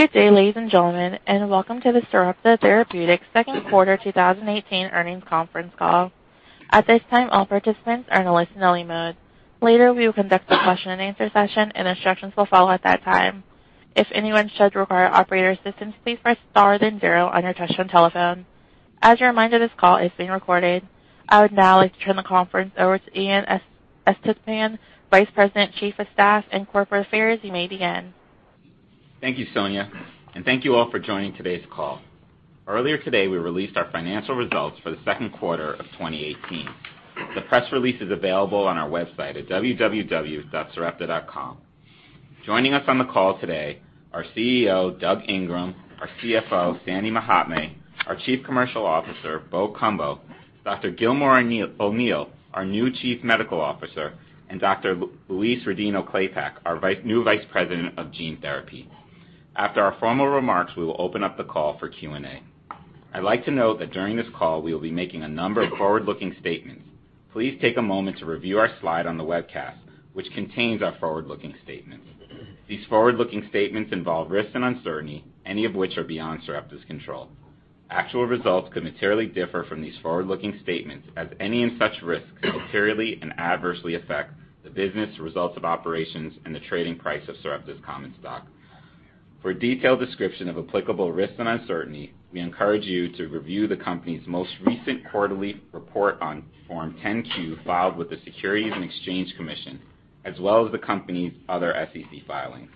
Good day, ladies and gentlemen, and welcome to the Sarepta Therapeutics Second Quarter 2018 Earnings Conference Call. At this time, all participants are in a listen-only mode. Later, we will conduct a question and answer session, and instructions will follow at that time. If anyone should require operator assistance, please press star then zero on your touchtone telephone. As a reminder, this call is being recorded. I would now like to turn the conference over to Ian Estepan, Vice President, Chief of Staff and Corporate Affairs. You may begin. Thank you, Sonia, and thank you all for joining today's call. Earlier today, we released our financial results for the second quarter of 2018. The press release is available on our website at www.sarepta.com. Joining us on the call today are CEO, Doug Ingram, our CFO, Sandy Mahatme, our Chief Commercial Officer, Bo Cumbo, Dr. Gilmore O'Neill, our new Chief Medical Officer, and Dr. Louise Rodino-Klapac, our new Vice President of Gene Therapy. After our formal remarks, we will open up the call for Q&A. I'd like to note that during this call, we will be making a number of forward-looking statements. Please take a moment to review our slide on the webcast, which contains our forward-looking statements. These forward-looking statements involve risks and uncertainty, any of which are beyond Sarepta's control. Actual results could materially differ from these forward-looking statements, as any and such risks could materially and adversely affect the business, results of operations, and the trading price of Sarepta's common stock. For a detailed description of applicable risks and uncertainty, we encourage you to review the company's most recent quarterly report on Form 10-Q filed with the Securities and Exchange Commission, as well as the company's other SEC filings.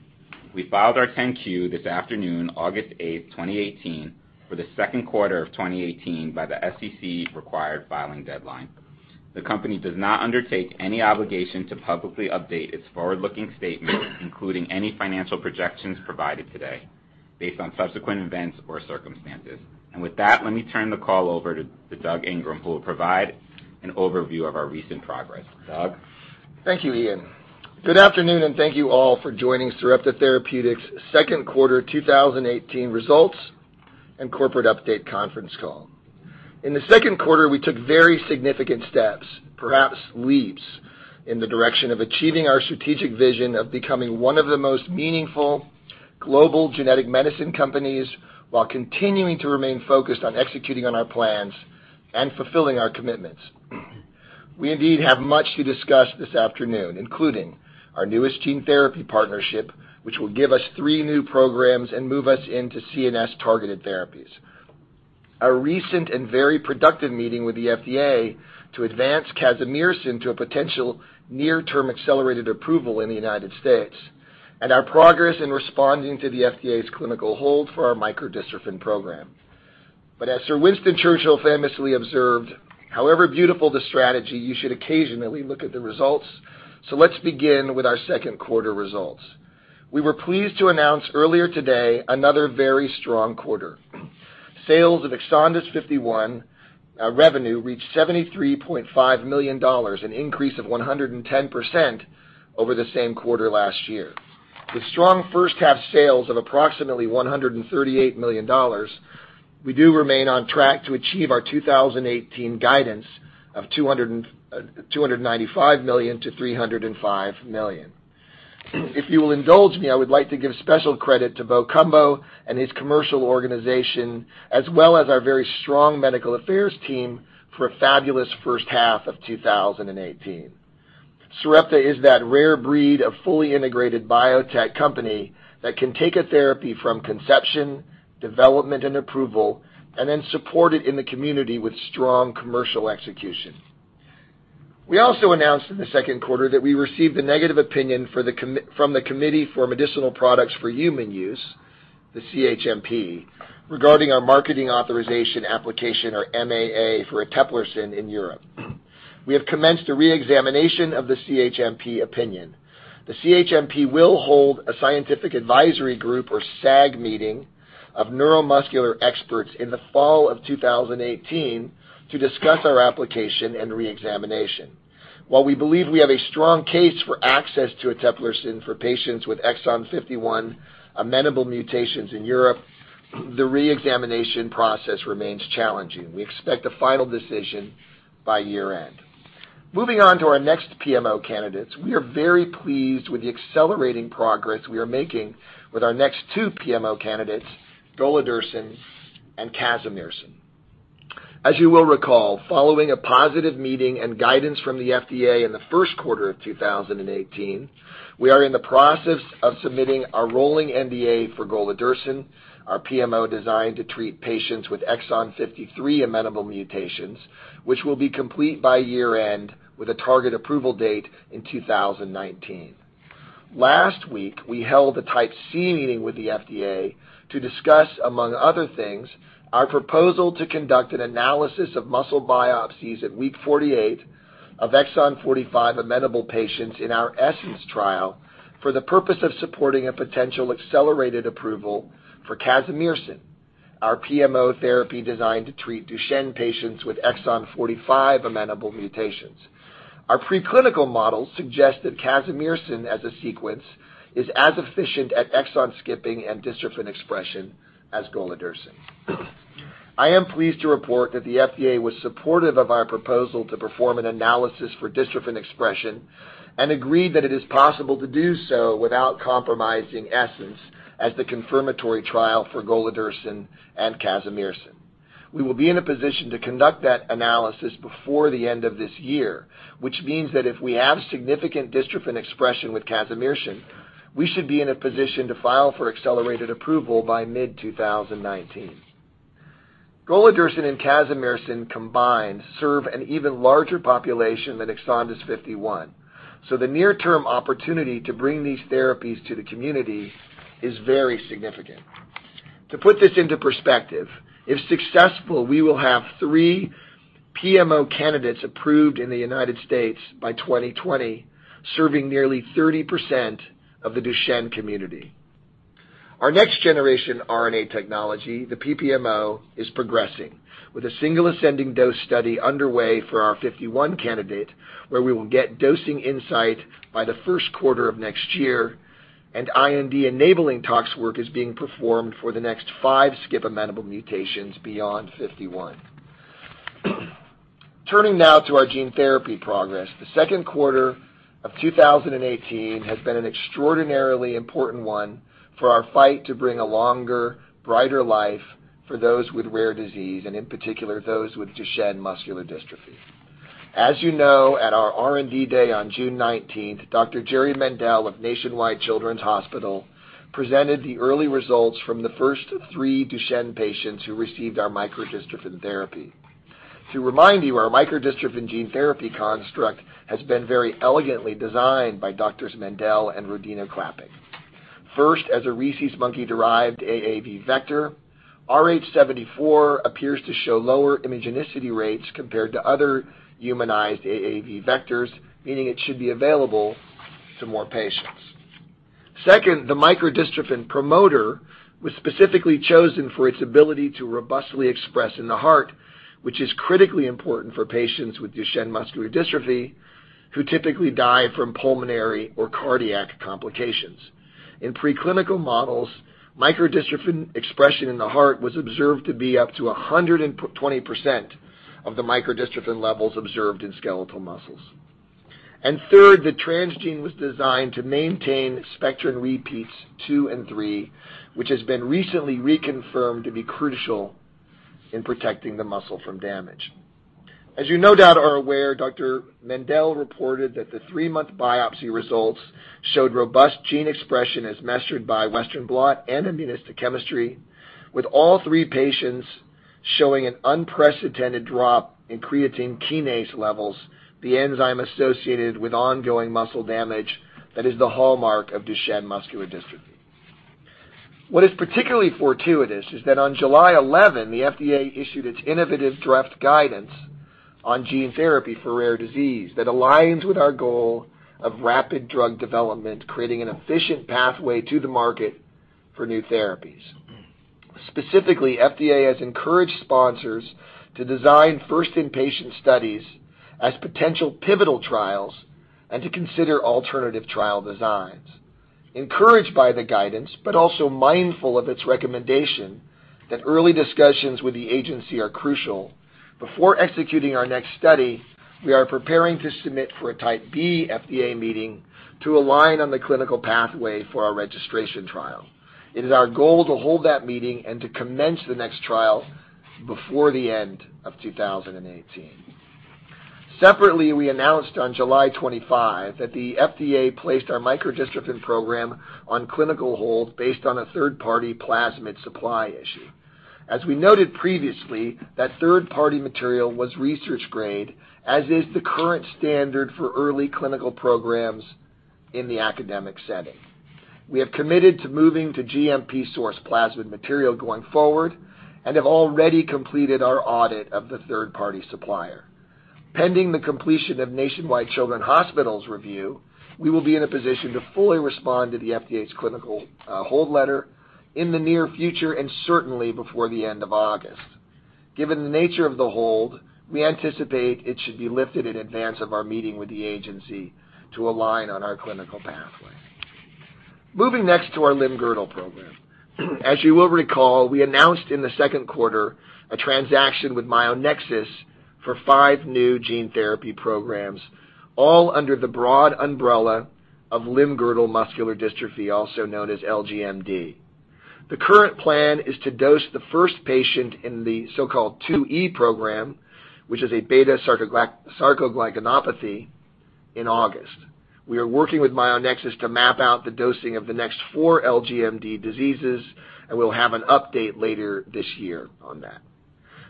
We filed our 10-Q this afternoon, August 8th, 2018, for the second quarter of 2018 by the SEC required filing deadline. The company does not undertake any obligation to publicly update its forward-looking statements, including any financial projections provided today, based on subsequent events or circumstances. With that, let me turn the call over to Doug Ingram, who will provide an overview of our recent progress. Doug? Thank you, Ian. Good afternoon, and thank you all for joining Sarepta Therapeutics' Second Quarter 2018 Results and Corporate Update Conference Call. In the second quarter, we took very significant steps, perhaps leaps, in the direction of achieving our strategic vision of becoming one of the most meaningful global genetic medicine companies, while continuing to remain focused on executing on our plans and fulfilling our commitments. We indeed have much to discuss this afternoon, including our newest gene therapy partnership, which will give us three new programs and move us into CNS-targeted therapies. Our recent and very productive meeting with the FDA to advance casimersen to a potential near-term accelerated approval in the United States, and our progress in responding to the FDA's clinical hold for our microdystrophin program. As Sir Winston Churchill famously observed, "However beautiful the strategy, you should occasionally look at the results." Let's begin with our second quarter results. We were pleased to announce earlier today another very strong quarter. Sales of EXONDYS 51 revenue reached $73.5 million, an increase of 110% over the same quarter last year. With strong first-half sales of approximately $138 million, we do remain on track to achieve our 2018 guidance of $295 million-$305 million. If you will indulge me, I would like to give special credit to Bo Cumbo and his commercial organization, as well as our very strong medical affairs team for a fabulous first half of 2018. Sarepta is that rare breed of fully integrated biotech company that can take a therapy from conception, development, and approval, and then support it in the community with strong commercial execution. We also announced in the second quarter that we received a negative opinion from the Committee for Medicinal Products for Human Use, the CHMP, regarding our Marketing Authorization Application, or MAA, for eteplirsen in Europe. We have commenced a re-examination of the CHMP opinion. The CHMP will hold a scientific advisory group, or SAG, meeting of neuromuscular experts in the fall of 2018 to discuss our application and re-examination. While we believe we have a strong case for access to eteplirsen for patients with Exon 51 amenable mutations in Europe, the re-examination process remains challenging. We expect a final decision by year-end. Moving on to our next PMO candidates. We are very pleased with the accelerating progress we are making with our next two PMO candidates, golodirsen and casimersen. You will recall, following a positive meeting and guidance from the FDA in the first quarter of 2018, we are in the process of submitting our rolling NDA for golodirsen, our PMO designed to treat patients with Exon 53 amenable mutations, which will be complete by year-end with a target approval date in 2019. Last week, we held a Type C meeting with the FDA to discuss, among other things, our proposal to conduct an analysis of muscle biopsies at week 48 of Exon 45 amenable patients in our ESSENCE trial for the purpose of supporting a potential accelerated approval for casimersen, our PMO therapy designed to treat Duchenne patients with Exon 45 amenable mutations. Our preclinical models suggest that casimersen as a sequence is as efficient at exon skipping and dystrophin expression as golodirsen. I am pleased to report that the FDA was supportive of our proposal to perform an analysis for dystrophin expression and agreed that it is possible to do so without compromising ESSENCE as the confirmatory trial for golodirsen and casimersen. We will be in a position to conduct that analysis before the end of this year, which means that if we have significant dystrophin expression with casimersen, we should be in a position to file for accelerated approval by mid-2019. Golodirsen and casimersen combined serve an even larger population than EXONDYS 51. The near-term opportunity to bring these therapies to the community is very significant. To put this into perspective, if successful, we will have three PMO candidates approved in the United States by 2020, serving nearly 30% of the Duchenne community. Our next generation RNA technology, the PPMO, is progressing with a single ascending dose study underway for our 51 candidate, where we will get dosing insight by the first quarter of next year, and IND-enabling tox work is being performed for the next five skip-amenable mutations beyond 51. Turning now to our gene therapy progress. The second quarter of 2018 has been an extraordinarily important one for our fight to bring a longer, brighter life for those with rare disease, and in particular, those with Duchenne muscular dystrophy. As you know, at our R&D Day on June 19th, Dr. Jerry Mendell of Nationwide Children's Hospital presented the early results from the first three Duchenne patients who received our microdystrophin therapy. To remind you, our microdystrophin gene therapy construct has been very elegantly designed by Doctors Mendell and Louise Rodino-Klapac. First, as a rhesus monkey-derived AAV vector, RH74 appears to show lower immunogenicity rates compared to other humanized AAV vectors, meaning it should be available to more patients. Second, the microdystrophin promoter was specifically chosen for its ability to robustly express in the heart, which is critically important for patients with Duchenne muscular dystrophy who typically die from pulmonary or cardiac complications. In preclinical models, microdystrophin expression in the heart was observed to be up to 120% of the microdystrophin levels observed in skeletal muscles. Third, the transgene was designed to maintain spectrin repeats two and three, which has been recently reconfirmed to be crucial in protecting the muscle from damage. As you no doubt are aware, Dr. Mendell reported that the three-month biopsy results showed robust gene expression as measured by Western blot and immunohistochemistry, with all three patients showing an unprecedented drop in creatine kinase levels, the enzyme associated with ongoing muscle damage that is the hallmark of Duchenne muscular dystrophy. What is particularly fortuitous is that on July 11, the FDA issued its innovative draft guidance on gene therapy for rare disease that aligns with our goal of rapid drug development, creating an efficient pathway to the market for new therapies. Specifically, FDA has encouraged sponsors to design first in-patient studies as potential pivotal trials and to consider alternative trial designs. Encouraged by the guidance, but also mindful of its recommendation that early discussions with the agency are crucial, before executing our next study, we are preparing to submit for a Type B FDA meeting to align on the clinical pathway for our registration trial. It is our goal to hold that meeting and to commence the next trial before the end of 2018. Separately, we announced on July 25 that the FDA placed our microdystrophin program on clinical hold based on a third-party plasmid supply issue. As we noted previously, that third-party material was research grade, as is the current standard for early clinical programs in the academic setting. We have committed to moving to GMP-source plasmid material going forward and have already completed our audit of the third-party supplier. Pending the completion of Nationwide Children's Hospital's review, we will be in a position to fully respond to the FDA's clinical hold letter in the near future, and certainly before the end of August. Given the nature of the hold, we anticipate it should be lifted in advance of our meeting with the agency to align on our clinical pathway. Moving next to our limb-girdle program. As you will recall, we announced in the second quarter a transaction with Myonexus for five new gene therapy programs, all under the broad umbrella of limb-girdle muscular dystrophy, also known as LGMD. The current plan is to dose the first patient in the so-called 2E program, which is a beta-sarcoglycanopathy, in August. We are working with Myonexus to map out the dosing of the next four LGMD diseases, and we'll have an update later this year on that.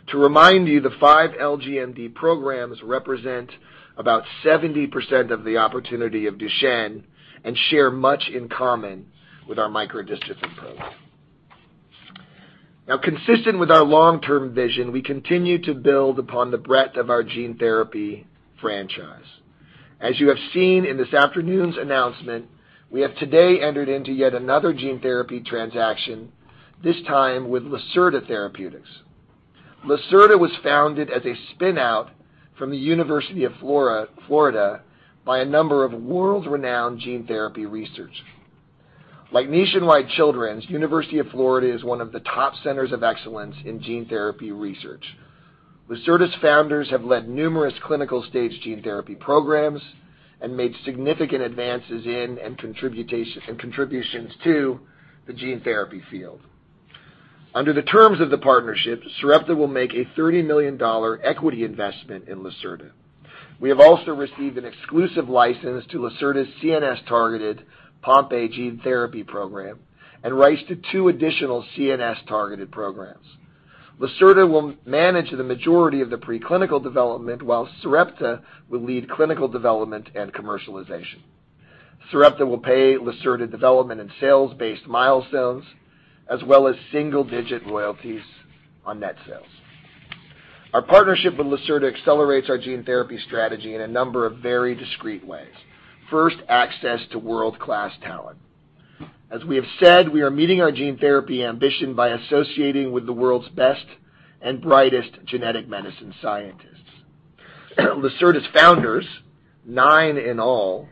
To remind you, the five LGMD programs represent about 70% of the opportunity of Duchenne and share much in common with our microdystrophin program. Consistent with our long-term vision, we continue to build upon the breadth of our gene therapy franchise. As you have seen in this afternoon's announcement, we have today entered into yet another gene therapy transaction, this time with Lacerta Therapeutics. Lacerta was founded as a spin-out from the University of Florida by a number of world-renowned gene therapy researchers. Like Nationwide Children's, University of Florida is one of the top centers of excellence in gene therapy research. Lacerta's founders have led numerous clinical stage gene therapy programs and made significant advances in and contributions to the gene therapy field. Under the terms of the partnership, Sarepta will make a $30 million equity investment in Lacerta. We have also received an exclusive license to Lacerta's CNS-targeted Pompe gene therapy program, and rights to two additional CNS-targeted programs. Lacerta will manage the majority of the preclinical development, while Sarepta will lead clinical development and commercialization. Sarepta will pay Lacerta development and sales-based milestones, as well as single-digit royalties on net sales. Our partnership with Lacerta accelerates our gene therapy strategy in a number of very discreet ways. First, access to world-class talent. As we have said, we are meeting our gene therapy ambition by associating with the world's best and brightest genetic medicine scientists. Lacerta's founders, nine in all,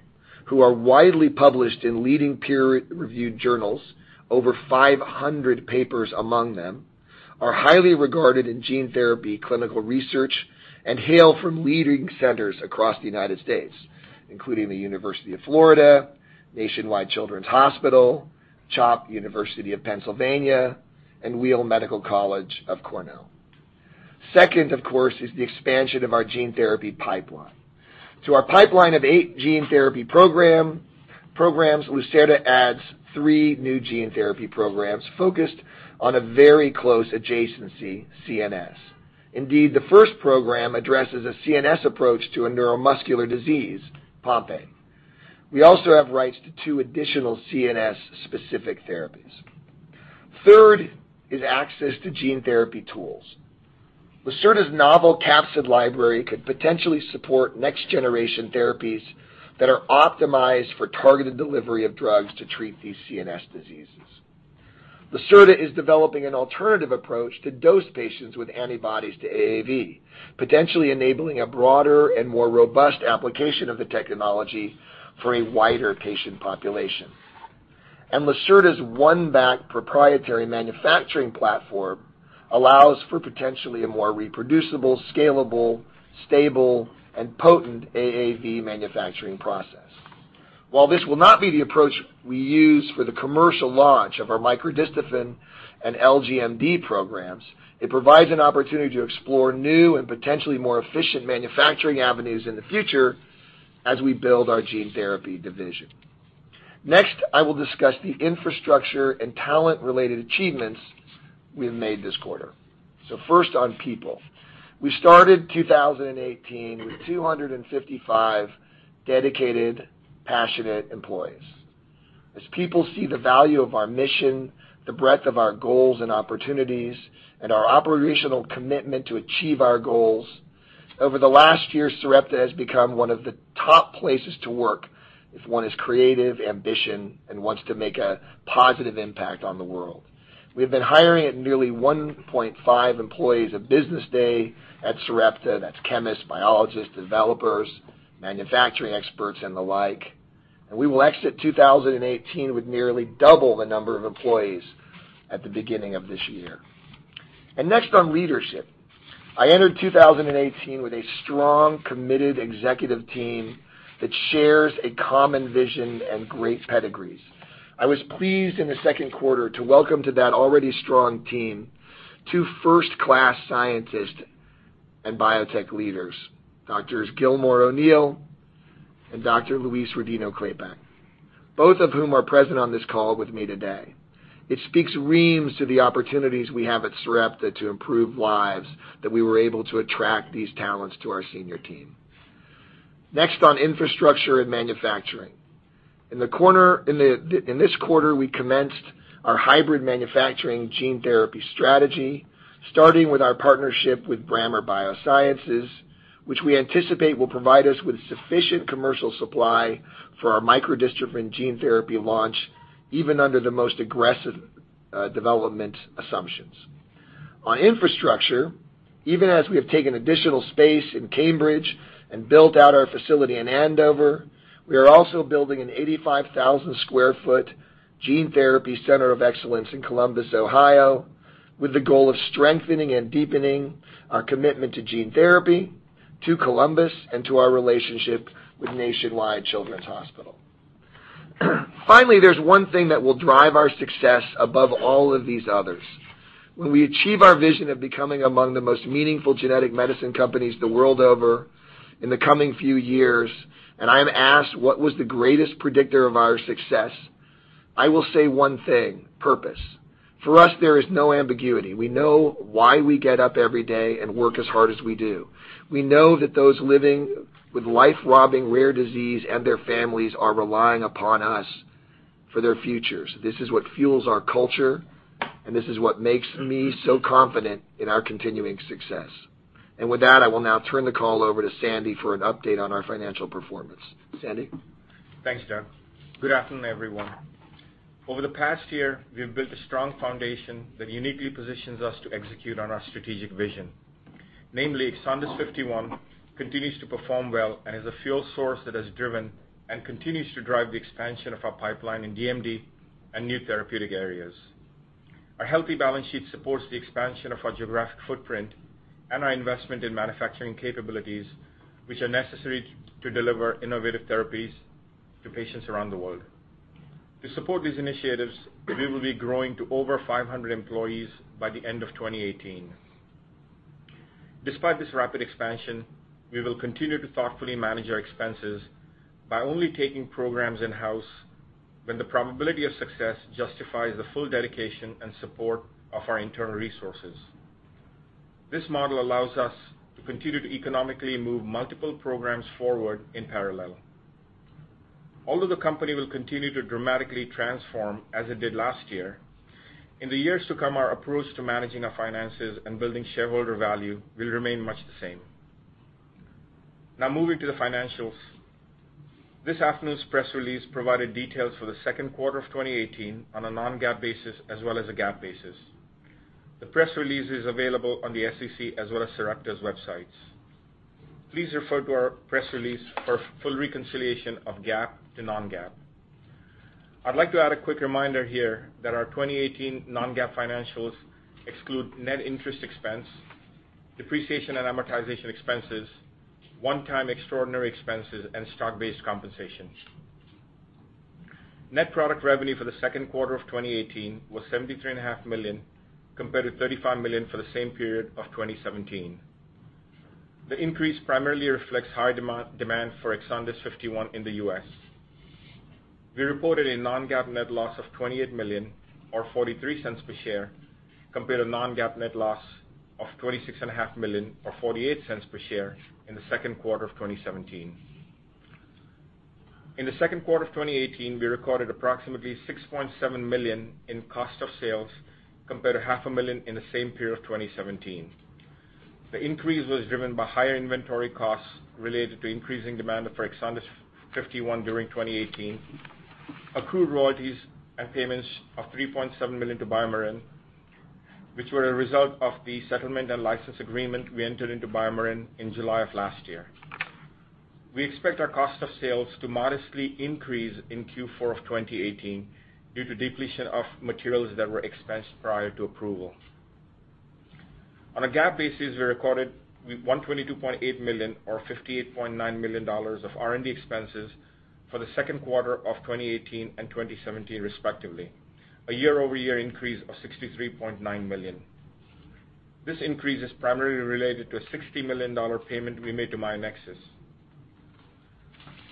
who are widely published in leading peer-reviewed journals, over 500 papers among them, are highly regarded in gene therapy clinical research, and hail from leading centers across the U.S., including the University of Florida, Nationwide Children's Hospital, CHOP University of Pennsylvania, and Weill Medical College of Cornell. Second, of course, is the expansion of our gene therapy pipeline. To our pipeline of eight gene therapy programs, Lacerta adds three new gene therapy programs focused on a very close adjacency, CNS. Indeed, the first program addresses a CNS approach to a neuromuscular disease, Pompe. We also have rights to two additional CNS-specific therapies. Third is access to gene therapy tools. Lacerta's novel capsid library could potentially support next-generation therapies that are optimized for targeted delivery of drugs to treat these CNS diseases. Lacerta is developing an alternative approach to dose patients with antibodies to AAV, potentially enabling a broader and more robust application of the technology for a wider patient population. Lacerta's One-Bac proprietary manufacturing platform allows for potentially a more reproducible, scalable, stable, and potent AAV manufacturing process. While this will not be the approach we use for the commercial launch of our microdystrophin and LGMD programs, it provides an opportunity to explore new and potentially more efficient manufacturing avenues in the future as we build our gene therapy division. Next, I will discuss the infrastructure and talent-related achievements we have made this quarter. First on people. We started 2018 with 255 dedicated, passionate employees. As people see the value of our mission, the breadth of our goals and opportunities, and our operational commitment to achieve our goals, over the last year, Sarepta has become one of the top places to work if one is creative, ambition, and wants to make a positive impact on the world. We've been hiring at nearly 1.5 employees a business day at Sarepta. That's chemists, biologists, developers, manufacturing experts, and the like. We will exit 2018 with nearly double the number of employees at the beginning of this year. Next on leadership. I entered 2018 with a strong, committed executive team that shares a common vision and great pedigrees. I was pleased in the second quarter to welcome to that already strong team, two first-class scientist and biotech leaders, Doctors Gilmore O'Neill and Dr. Louise Rodino-Klapac, both of whom are present on this call with me today. It speaks reams to the opportunities we have at Sarepta to improve lives that we were able to attract these talents to our senior team. Next on infrastructure and manufacturing. In this quarter, we commenced our hybrid manufacturing gene therapy strategy, starting with our partnership with Brammer Biosciences, which we anticipate will provide us with sufficient commercial supply for our microdystrophin gene therapy launch, even under the most aggressive development assumptions. On infrastructure, even as we have taken additional space in Cambridge and built out our facility in Andover, we are also building an 85,000 sq ft gene therapy center of excellence in Columbus, Ohio, with the goal of strengthening and deepening our commitment to gene therapy, to Columbus, and to our relationship with Nationwide Children's Hospital. Finally, there's one thing that will drive our success above all of these others. When we achieve our vision of becoming among the most meaningful genetic medicine companies the world over in the coming few years, and I am asked what was the greatest predictor of our success, I will say one thing, purpose. For us, there is no ambiguity. We know why we get up every day and work as hard as we do. We know that those living with life-robbing rare disease and their families are relying upon us for their futures. This is what fuels our culture, and this is what makes me so confident in our continuing success. With that, I will now turn the call over to Sandy for an update on our financial performance. Sandy? Thanks, Doug. Good afternoon, everyone. Over the past year, we've built a strong foundation that uniquely positions us to execute on our strategic vision. Namely, EXONDYS 51 continues to perform well and is a fuel source that has driven and continues to drive the expansion of our pipeline in DMD and new therapeutic areas. Our healthy balance sheet supports the expansion of our geographic footprint and our investment in manufacturing capabilities, which are necessary to deliver innovative therapies to patients around the world. To support these initiatives, we will be growing to over 500 employees by the end of 2018. Despite this rapid expansion, we will continue to thoughtfully manage our expenses by only taking programs in-house when the probability of success justifies the full dedication and support of our internal resources. This model allows us to continue to economically move multiple programs forward in parallel. Moving to the financials. This afternoon's press release provided details for the second quarter of 2018 on a non-GAAP basis as well as a GAAP basis. The press release is available on the SEC as well as Sarepta's websites. Please refer to our press release for full reconciliation of GAAP to non-GAAP. I'd like to add a quick reminder here that our 2018 non-GAAP financials exclude net interest expense, depreciation and amortization expenses, one-time extraordinary expenses, and stock-based compensation. Net product revenue for the second quarter of 2018 was $73.5 million, compared to $35 million for the same period of 2017. The increase primarily reflects high demand for EXONDYS 51 in the U.S. We reported a non-GAAP net loss of $28 million, or $0.43 per share, compared to non-GAAP net loss of $26.5 million, or $0.48 per share in the second quarter of 2017. In the second quarter of 2018, we recorded approximately $6.7 million in cost of sales, compared to $half a million in the same period of 2017. The increase was driven by higher inventory costs related to increasing demand for EXONDYS 51 during 2018, accrued royalties and payments of $3.7 million to BioMarin, which were a result of the settlement and license agreement we entered into BioMarin in July of last year. We expect our cost of sales to modestly increase in Q4 of 2018 due to depletion of materials that were expensed prior to approval. On a GAAP basis, we recorded $122.8 million or $58.9 million of R&D expenses for the second quarter of 2018 and 2017 respectively, a year-over-year increase of $63.9 million. This increase is primarily related to a $60 million payment we made to Myonexus.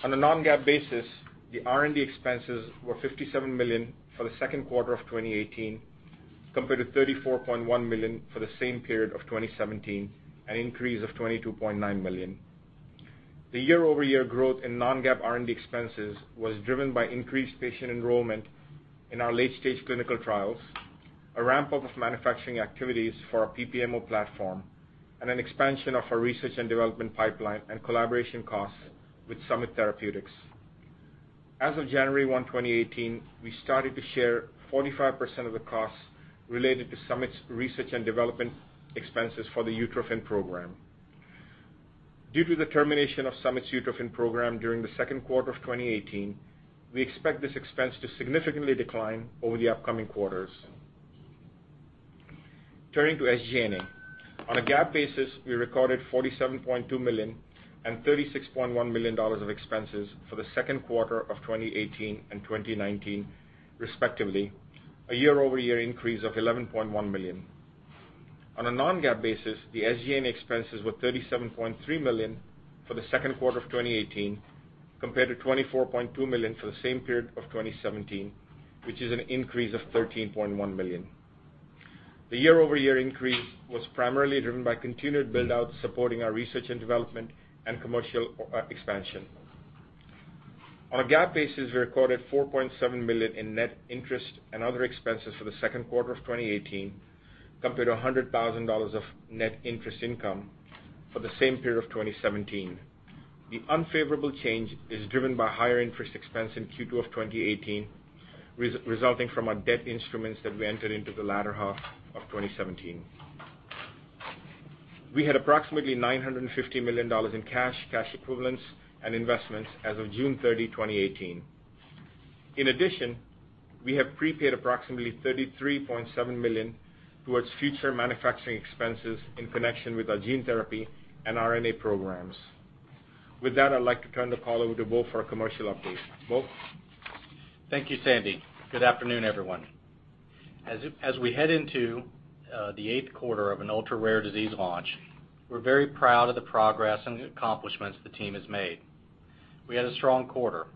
On a non-GAAP basis, the R&D expenses were $57 million for the second quarter of 2018, compared to $34.1 million for the same period of 2017, an increase of $22.9 million. The year-over-year growth in non-GAAP R&D expenses was driven by increased patient enrollment in our late-stage clinical trials, a ramp-up of manufacturing activities for our PPMO platform, and an expansion of our research and development pipeline, and collaboration costs with Summit Therapeutics. As of January 1, 2018, we started to share 45% of the costs related to Summit's research and development expenses for the utrophin program. Due to the termination of Summit's utrophin program during the second quarter of 2018, we expect this expense to significantly decline over the upcoming quarters. Turning to SG&A. On a GAAP basis, we recorded $47.2 million and $36.1 million of expenses for the second quarter of 2018 and 2019, respectively, a year-over-year increase of $11.1 million. On a non-GAAP basis, the SG&A expenses were $37.3 million for the second quarter of 2018, compared to $24.2 million for the same period of 2017, which is an increase of $13.1 million. The year-over-year increase was primarily driven by continued build-out supporting our research and development and commercial expansion. On a GAAP basis, we recorded $4.7 million in net interest and other expenses for the second quarter of 2018, compared to $100,000 of net interest income for the same period of 2017. The unfavorable change is driven by higher interest expense in Q2 of 2018, resulting from our debt instruments that we entered into the latter half of 2017. We had approximately $950 million in cash equivalents, and investments as of June 30, 2018. In addition, we have prepaid approximately $33.7 million towards future manufacturing expenses in connection with our gene therapy and RNA programs. With that, I'd like to turn the call over to Bo for a commercial update. Bo? Thank you, Sandy. Good afternoon, everyone. As we head into the eighth quarter of an ultra-rare disease launch, we're very proud of the progress and the accomplishments the team has made. We had a strong quarter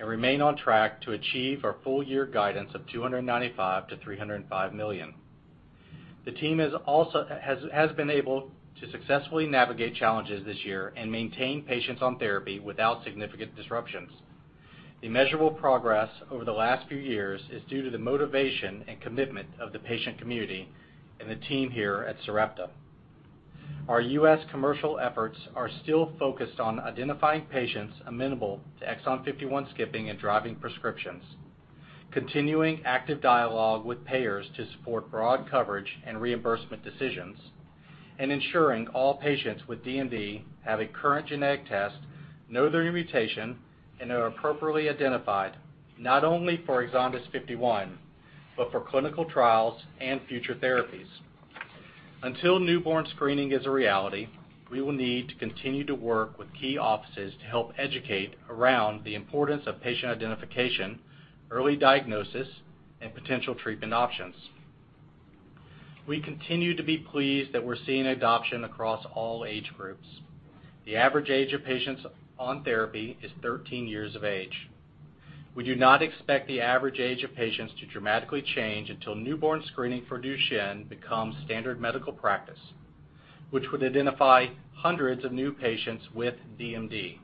and remain on track to achieve our full-year guidance of $295 million-$305 million. The team has been able to successfully navigate challenges this year and maintain patients on therapy without significant disruptions. The measurable progress over the last few years is due to the motivation and commitment of the patient community and the team here at Sarepta. Our U.S. commercial efforts are still focused on identifying patients amenable to exon 51 skipping and driving prescriptions. Continuing active dialogue with payers to support broad coverage and reimbursement decisions, and ensuring all patients with DMD have a current genetic test, know their mutation, and are appropriately identified, not only for EXONDYS 51, but for clinical trials and future therapies. Until newborn screening is a reality, we will need to continue to work with key offices to help educate around the importance of patient identification, early diagnosis, and potential treatment options. We continue to be pleased that we're seeing adoption across all age groups. The average age of patients on therapy is 13 years of age. We do not expect the average age of patients to dramatically change until newborn screening for Duchenne becomes standard medical practice, which would identify hundreds of new patients with DMD.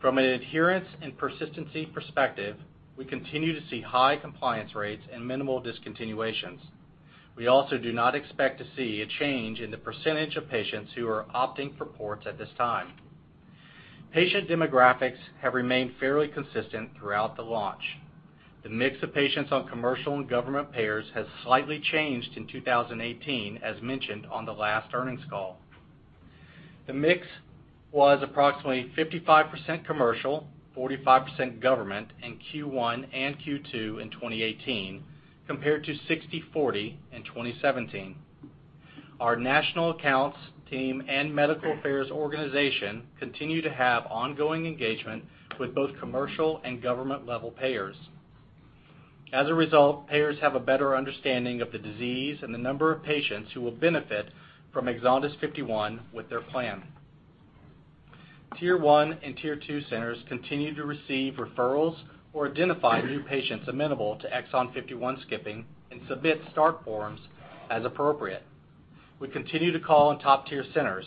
From an adherence and persistency perspective, we continue to see high compliance rates and minimal discontinuations. We also do not expect to see a change in the percentage of patients who are opting for ports at this time. Patient demographics have remained fairly consistent throughout the launch. The mix of patients on commercial and government payers has slightly changed in 2018, as mentioned on the last earnings call. The mix was approximately 55% commercial, 45% government in Q1 and Q2 in 2018, compared to 60/40 in 2017. Our national accounts team and medical affairs organization continue to have ongoing engagement with both commercial and government-level payers. As a result, payers have a better understanding of the disease and the number of patients who will benefit from EXONDYS 51 with their plan. Tier 1 and tier 2 centers continue to receive referrals or identify new patients amenable to exon 51 skipping and submit start forms as appropriate. We continue to call on top-tier centers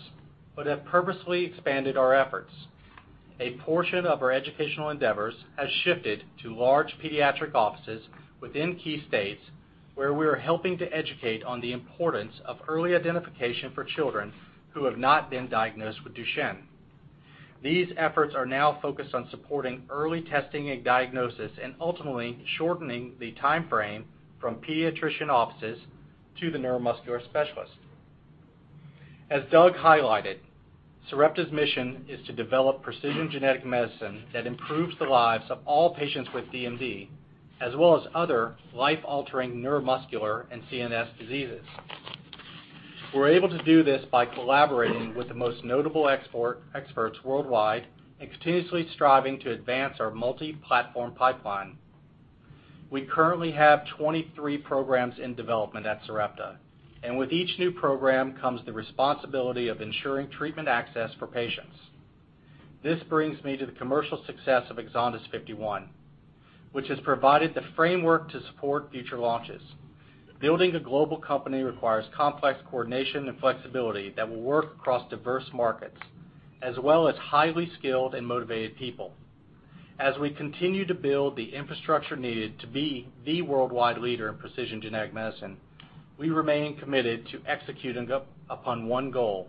but have purposefully expanded our efforts. A portion of our educational endeavors has shifted to large pediatric offices within key states, where we are helping to educate on the importance of early identification for children who have not been diagnosed with Duchenne. These efforts are now focused on supporting early testing and diagnosis and ultimately shortening the timeframe from pediatrician offices to the neuromuscular specialist. As Doug highlighted, Sarepta's mission is to develop precision genetic medicine that improves the lives of all patients with DMD, as well as other life-altering neuromuscular and CNS diseases. We are able to do this by collaborating with the most notable experts worldwide and continuously striving to advance our multi-platform pipeline. We currently have 23 programs in development at Sarepta. With each new program comes the responsibility of ensuring treatment access for patients. This brings me to the commercial success of EXONDYS 51, which has provided the framework to support future launches. Building a global company requires complex coordination and flexibility that will work across diverse markets, as well as highly skilled and motivated people. As we continue to build the infrastructure needed to be the worldwide leader in precision genetic medicine, we remain committed to executing upon one goal,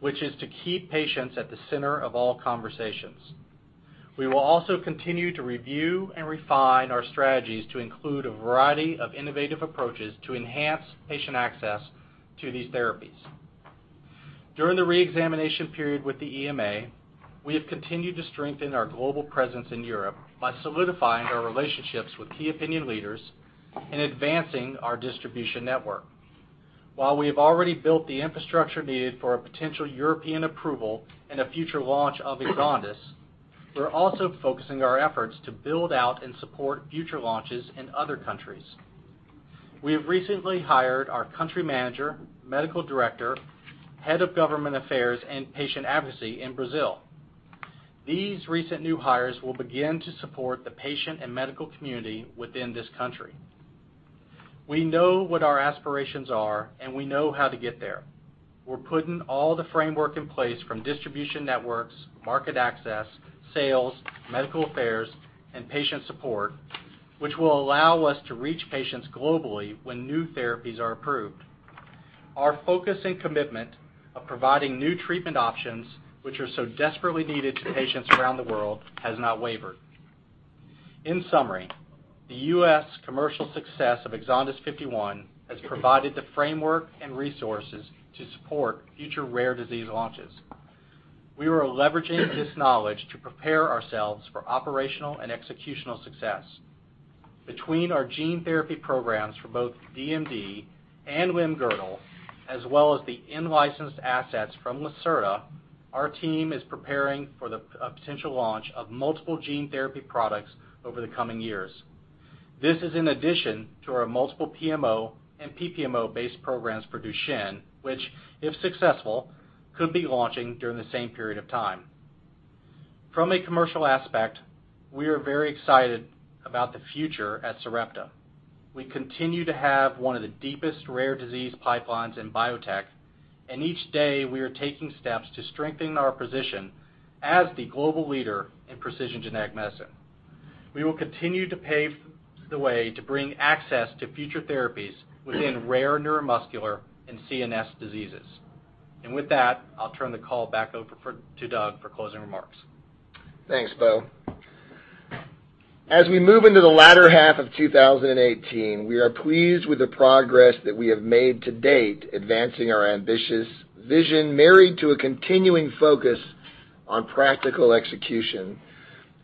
which is to keep patients at the center of all conversations. We will also continue to review and refine our strategies to include a variety of innovative approaches to enhance patient access to these therapies. During the re-examination period with the EMA, we have continued to strengthen our global presence in Europe by solidifying our relationships with key opinion leaders and advancing our distribution network. While we have already built the infrastructure needed for a potential European approval and a future launch of EXONDYS, we are also focusing our efforts to build out and support future launches in other countries. We have recently hired our country manager, medical director, head of government affairs, and patient advocacy in Brazil. These recent new hires will begin to support the patient and medical community within this country. We know what our aspirations are. We know how to get there. We are putting all the framework in place from distribution networks, market access, sales, medical affairs, and patient support, which will allow us to reach patients globally when new therapies are approved. Our focus and commitment of providing new treatment options, which are so desperately needed to patients around the world, has not wavered. In summary, the U.S. commercial success of EXONDYS 51 has provided the framework and resources to support future rare disease launches. We are leveraging this knowledge to prepare ourselves for operational and executional success. Between our gene therapy programs for both DMD and limb-girdle, as well as the in-licensed assets from Lacerta, our team is preparing for the potential launch of multiple gene therapy products over the coming years. This is in addition to our multiple PMO and PPMO-based programs for Duchenne, which, if successful, could be launching during the same period of time. From a commercial aspect, we are very excited about the future at Sarepta. We continue to have one of the deepest rare disease pipelines in biotech, and each day, we are taking steps to strengthen our position as the global leader in precision genetic medicine. We will continue to pave the way to bring access to future therapies within rare neuromuscular and CNS diseases. With that, I'll turn the call back over to Doug for closing remarks. Thanks, Bo. As we move into the latter half of 2018, we are pleased with the progress that we have made to date, advancing our ambitious vision, married to a continuing focus on practical execution.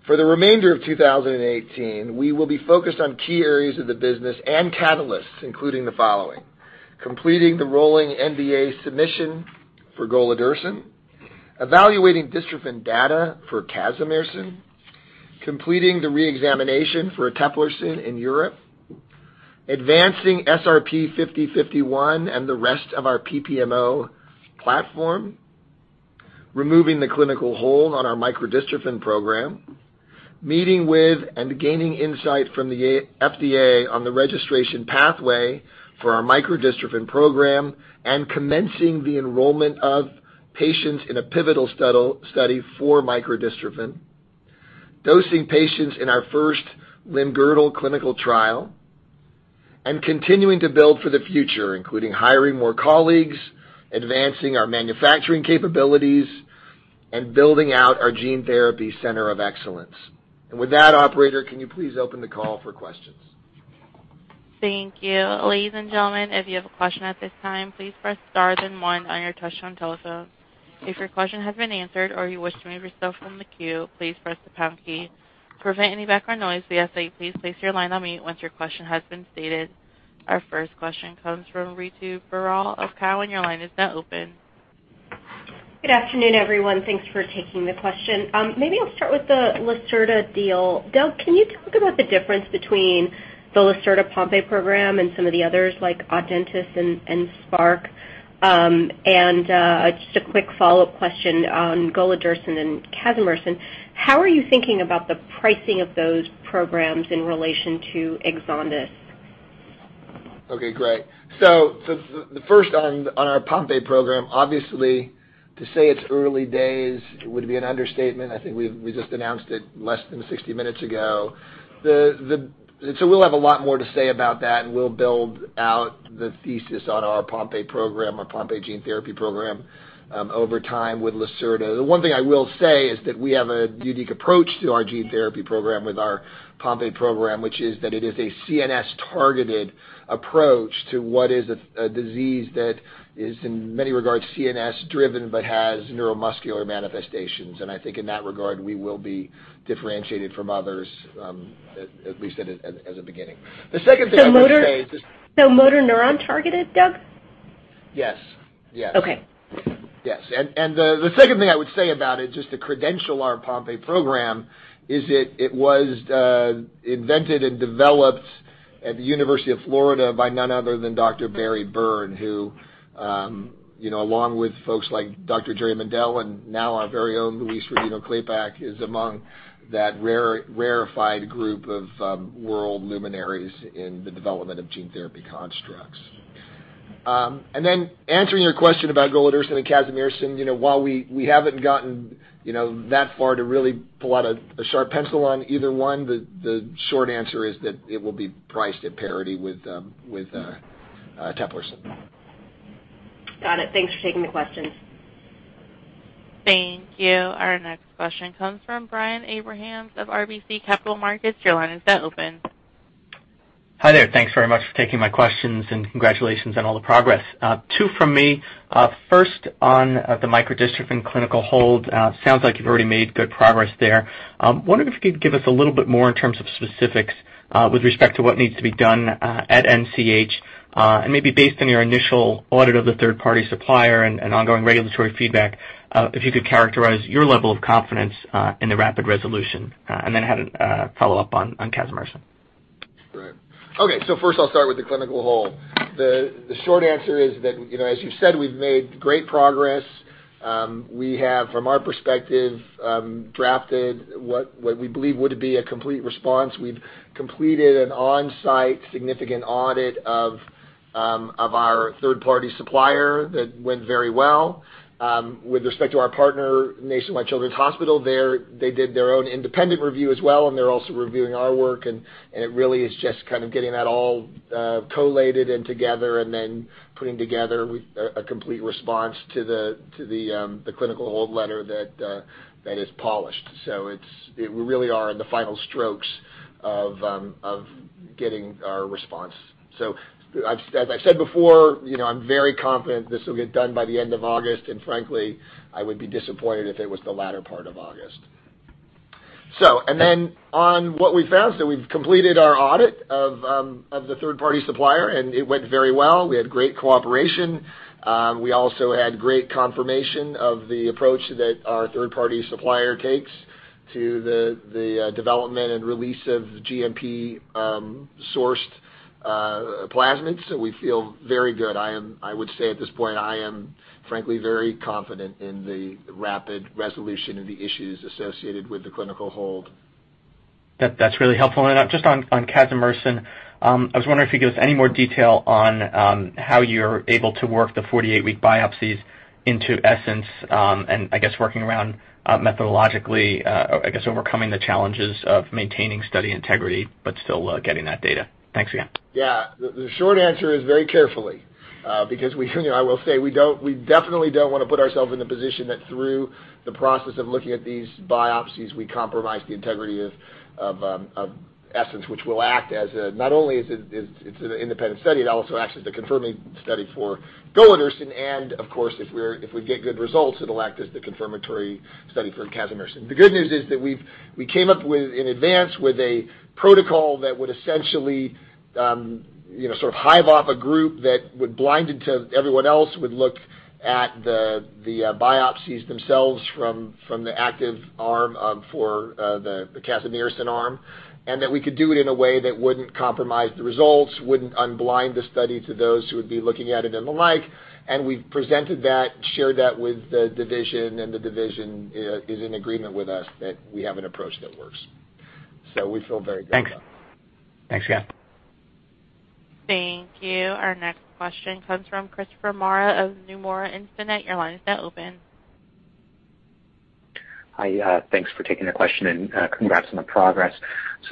For the remainder of 2018, we will be focused on key areas of the business and catalysts, including the following: completing the rolling NDA submission for golodirsen, evaluating dystrophin data for casimersen, completing the re-examination for eteplirsen in Europe, advancing SRP-5051 and the rest of our PPMO platform, removing the clinical hold on our microdystrophin program, meeting with and gaining insight from the FDA on the registration pathway for our microdystrophin program and commencing the enrollment of patients in a pivotal study for microdystrophin, dosing patients in our first limb-girdle clinical trial, and continuing to build for the future, including hiring more colleagues, advancing our manufacturing capabilities, and building out our gene therapy center of excellence. With that, operator, can you please open the call for questions? Thank you. Ladies and gentlemen, if you have a question at this time, please press star then 1 on your touch-tone telephone. If your question has been answered or you wish to remove yourself from the queue, please press the pound key. To prevent any background noise, we ask that you please place your line on mute once your question has been stated. Our first question comes from Ritu Baral of Cowen. Your line is now open. Good afternoon, everyone. Thanks for taking the question. Maybe I'll start with the Lacerta deal. Doug, can you talk about the difference between the Lacerta Pompe program and some of the others like Audentes and Spark? Just a quick follow-up question on golodirsen and casimersen. How are you thinking about the pricing of those programs in relation to EXONDYS 51? Okay, great. The first on our Pompe program, obviously, to say it's early days would be an understatement. I think we just announced it less than 60 minutes ago. We'll have a lot more to say about that, and we'll build out the thesis on our Pompe program, our Pompe gene therapy program, over time with Lacerta. The one thing I will say is that we have a unique approach to our gene therapy program with our Pompe program, which is that it is a CNS-targeted approach to what is a disease that is in many regards CNS-driven but has neuromuscular manifestations. I think in that regard, we will be differentiated from others, at least as a beginning. The second thing I would say is- Motor neuron-targeted, Doug? Yes. Okay. Yes. The second thing I would say about it, just to credential our Pompe program, is it was invented and developed at the University of Florida by none other than Dr. Barry Byrne, who along with folks like Dr. Jerry Mendell and now our very own Luis Rodino-Klapac is among that rarefied group of world luminaries in the development of gene therapy constructs. Then answering your question about golodirsen and casimersen, while we haven't gotten that far to really pull out a sharp pencil on either one, the short answer is that it will be priced at parity with eteplirsen. Got it. Thanks for taking the question. Thank you. Our next question comes from Brian Abrahams of RBC Capital Markets. Your line is now open. Hi there. Thanks very much for taking my questions. Congratulations on all the progress. Two from me. First on the microdystrophin clinical hold. Sounds like you've already made good progress there. Wondering if you could give us a little bit more in terms of specifics with respect to what needs to be done at NCH, maybe based on your initial audit of the third-party supplier and ongoing regulatory feedback, if you could characterize your level of confidence in the rapid resolution. Then I had a follow-up on casimersen. Great. Okay. First I'll start with the clinical hold. The short answer is that, as you said, we've made great progress. We have, from our perspective, drafted what we believe would be a complete response. We've completed an on-site significant audit of our third-party supplier that went very well. With respect to our partner, Nationwide Children's Hospital, they did their own independent review as well, and they're also reviewing our work, and it really is just kind of getting that all collated and together and then putting together a complete response to the clinical hold letter that is polished. We really are in the final strokes of getting our response. As I said before, I'm very confident this will get done by the end of August, and frankly, I would be disappointed if it was the latter part of August. On what we found, we've completed our audit of the third-party supplier, and it went very well. We had great cooperation. We also had great confirmation of the approach that our third-party supplier takes to the development and release of GMP-sourced plasmids. We feel very good. I would say at this point, I am frankly very confident in the rapid resolution of the issues associated with the clinical hold. That's really helpful. Just on casimersen, I was wondering if you could give us any more detail on how you're able to work the 48-week biopsies into ESSENCE and I guess working around methodologically, I guess overcoming the challenges of maintaining study integrity but still getting that data. Thanks again. Yeah. The short answer is very carefully. I will say, we definitely don't want to put ourselves in the position that through the process of looking at these biopsies, we compromise the integrity of ESSENCE, which will act as, not only it's an independent study, it also acts as the confirming study for golodirsen, and of course, if we get good results, it'll act as the confirmatory study for casimersen. The good news is that we came up in advance with a protocol that would essentially sort of hive off a group that would blind it to everyone else, would look at the biopsies themselves from the active arm for the casimersen arm, and that we could do it in a way that wouldn't compromise the results, wouldn't unblind the study to those who would be looking at it and the like. We've presented that, shared that with the division, the division is in agreement with us that we have an approach that works. We feel very good about it. Thanks. Thanks, guys. Thank you. Our next question comes from Christopher Marai of Nomura Internet. Your line is now open. Hi. Thanks for taking the question and congrats on the progress.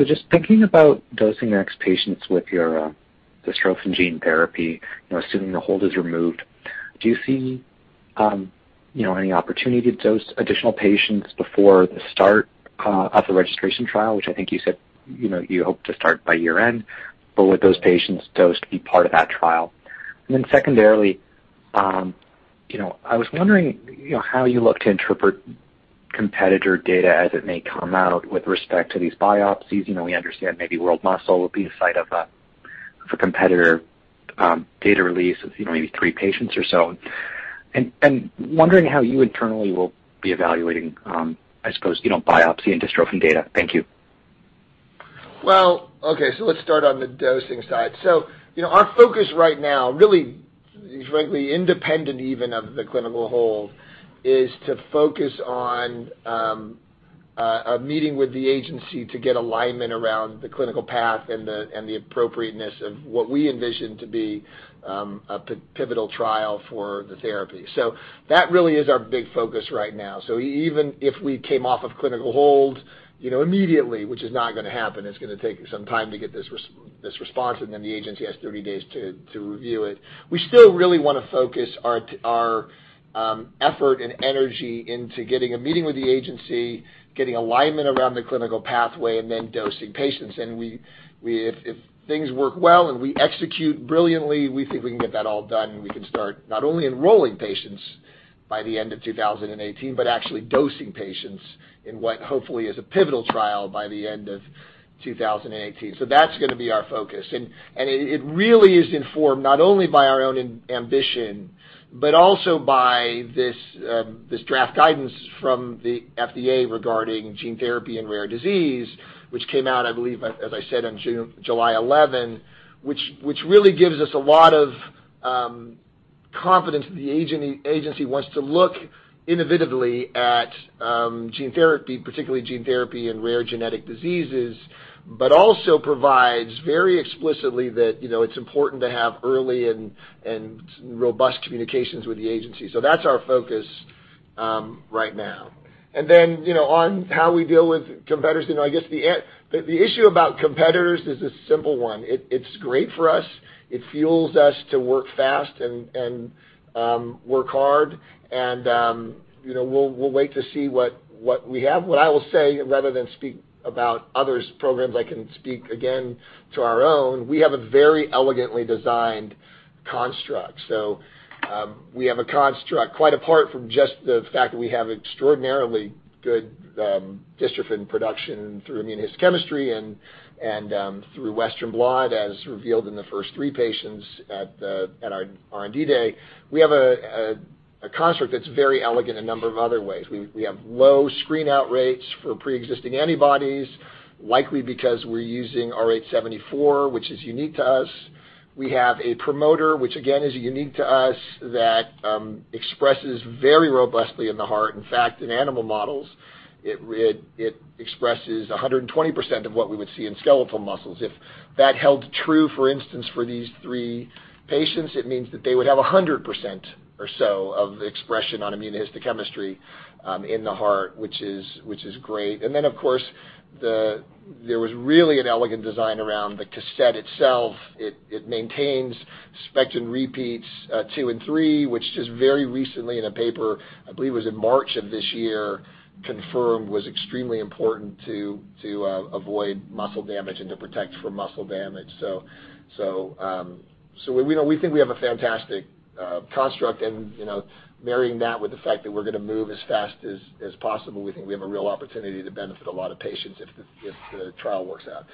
Just thinking about dosing your next patients with your dystrophin gene therapy, assuming the hold is removed, do you see any opportunity to dose additional patients before the start of the registration trial, which I think you said you hope to start by year-end, would those patients dosed be part of that trial? Then secondarily, I was wondering how you look to interpret competitor data as it may come out with respect to these biopsies. We understand maybe World Muscle will be the site of a competitor data release of maybe three patients or so. Wondering how you internally will be evaluating, I suppose, biopsy and dystrophin data. Thank you. Well, okay. Let's start on the dosing side. Our focus right now, really, frankly, independent even of the clinical hold, is to focus on a meeting with the agency to get alignment around the clinical path and the appropriateness of what we envision to be a pivotal trial for the therapy. That really is our big focus right now. Even if we came off of clinical hold immediately, which is not going to happen, it's going to take some time to get this response, and then the agency has 30 days to review it. We still really want to focus our effort and energy into getting a meeting with the agency, getting alignment around the clinical pathway, and then dosing patients. If things work well and we execute brilliantly, we think we can get that all done, and we can start not only enrolling patients by the end of 2018, but actually dosing patients in what hopefully is a pivotal trial by the end of 2018. That's going to be our focus. It really is informed not only by our own ambition, but also by this draft guidance from the FDA regarding gene therapy and rare disease, which came out, I believe, as I said, on July 11, which really gives us a lot of confidence that the agency wants to look innovatively at gene therapy, particularly gene therapy and rare genetic diseases, but also provides very explicitly that it's important to have early and robust communications with the agency. That's our focus right now. Then, on how we deal with competitors, I guess the issue about competitors is a simple one. It's great for us. It fuels us to work fast and work hard. We'll wait to see what we have. What I will say, rather than speak about others' programs, I can speak again to our own. We have a very elegantly designed construct. We have a construct quite apart from just the fact that we have extraordinarily good dystrophin production through immunohistochemistry and through Western blot, as revealed in the first three patients at our R&D Day. We have a construct that's very elegant a number of other ways. We have low screen out rates for preexisting antibodies, likely because we're using RH74, which is unique to us. We have a promoter, which again, is unique to us, that expresses very robustly in the heart. In fact, in animal models, it expresses 120% of what we would see in skeletal muscles. If that held true, for instance, for these three patients, it means that they would have 100% or so of expression on immunohistochemistry in the heart, which is great. Then, of course, there was really an elegant design around the cassette itself. It maintains spectrin repeats two and three, which just very recently in a paper, I believe it was in March of this year, confirmed was extremely important to avoid muscle damage and to protect from muscle damage. We think we have a fantastic construct, and marrying that with the fact that we're going to move as fast as possible, we think we have a real opportunity to benefit a lot of patients if the trial works out.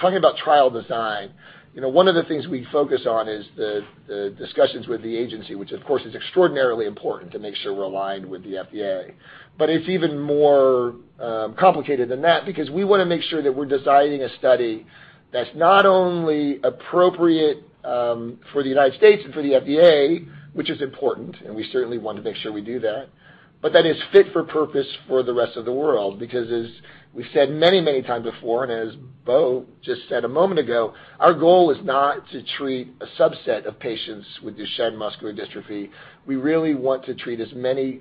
Talking about trial design, one of the things we focus on is the discussions with the agency, which, of course, is extraordinarily important to make sure we're aligned with the FDA. It's even more complicated than that because we want to make sure that we're designing a study that's not only appropriate for the U.S. and for the FDA, which is important, and we certainly want to make sure we do that, but that is fit for purpose for the rest of the world. As we've said many, many times before, and as Beau just said a moment ago, our goal is not to treat a subset of patients with Duchenne muscular dystrophy. We really want to treat as many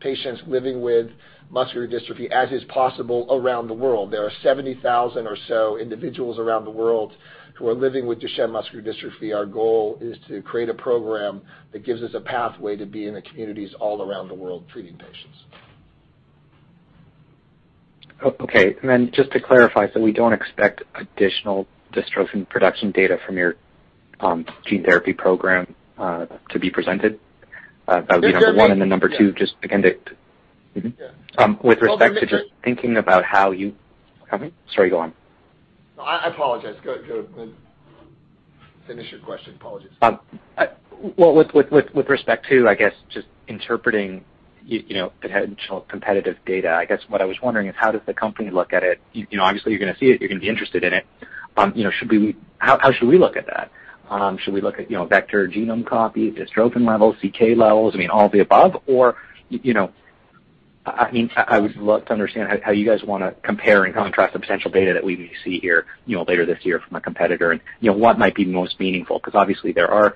patients living with muscular dystrophy as is possible around the world. There are 70,000 or so individuals around the world who are living with Duchenne muscular dystrophy. Our goal is to create a program that gives us a pathway to be in the communities all around the world treating patients. Okay. Just to clarify, we don't expect additional dystrophin production data from your gene therapy program to be presented? That would be number 1. Yeah. Sorry, go on. No, I apologize. Go ahead. Finish your question. Apologies. Well, with respect to, I guess, just interpreting potential competitive data. I guess what I was wondering is how does the company look at it? Obviously, you're going to see it, you're going to be interested in it. How should we look at that? Should we look at vector genome copy, dystrophin levels, CK levels, all the above? I would love to understand how you guys want to compare and contrast the potential data that we may see here later this year from a competitor and what might be most meaningful, because obviously there are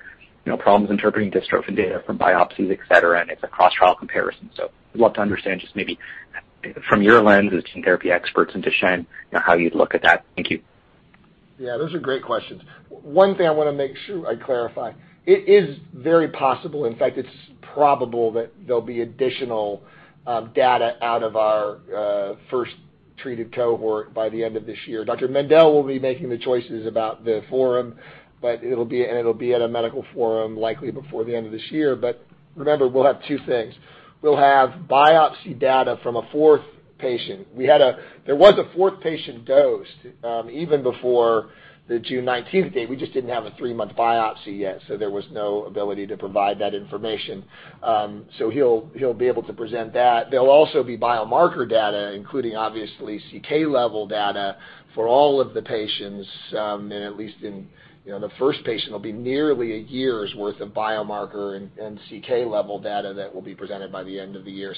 problems interpreting dystrophin data from biopsies, et cetera, and it's a cross-trial comparison. I'd love to understand just maybe from your lens as gene therapy experts in Duchenne, how you'd look at that. Thank you. Yeah, those are great questions. One thing I want to make sure I clarify, it is very possible, in fact, it's probable that there'll be additional data out of our first treated cohort by the end of this year. Dr. Mendell will be making the choices about the forum, and it'll be at a medical forum likely before the end of this year. Remember, we'll have two things. We'll have biopsy data from a fourth patient. There was a fourth patient dosed, even before the June 19th date. We just didn't have a three-month biopsy yet, there was no ability to provide that information. He'll be able to present that. There'll also be biomarker data, including obviously CK level data for all of the patients. At least in the first patient, there'll be nearly a year's worth of biomarker and CK level data that will be presented by the end of the year.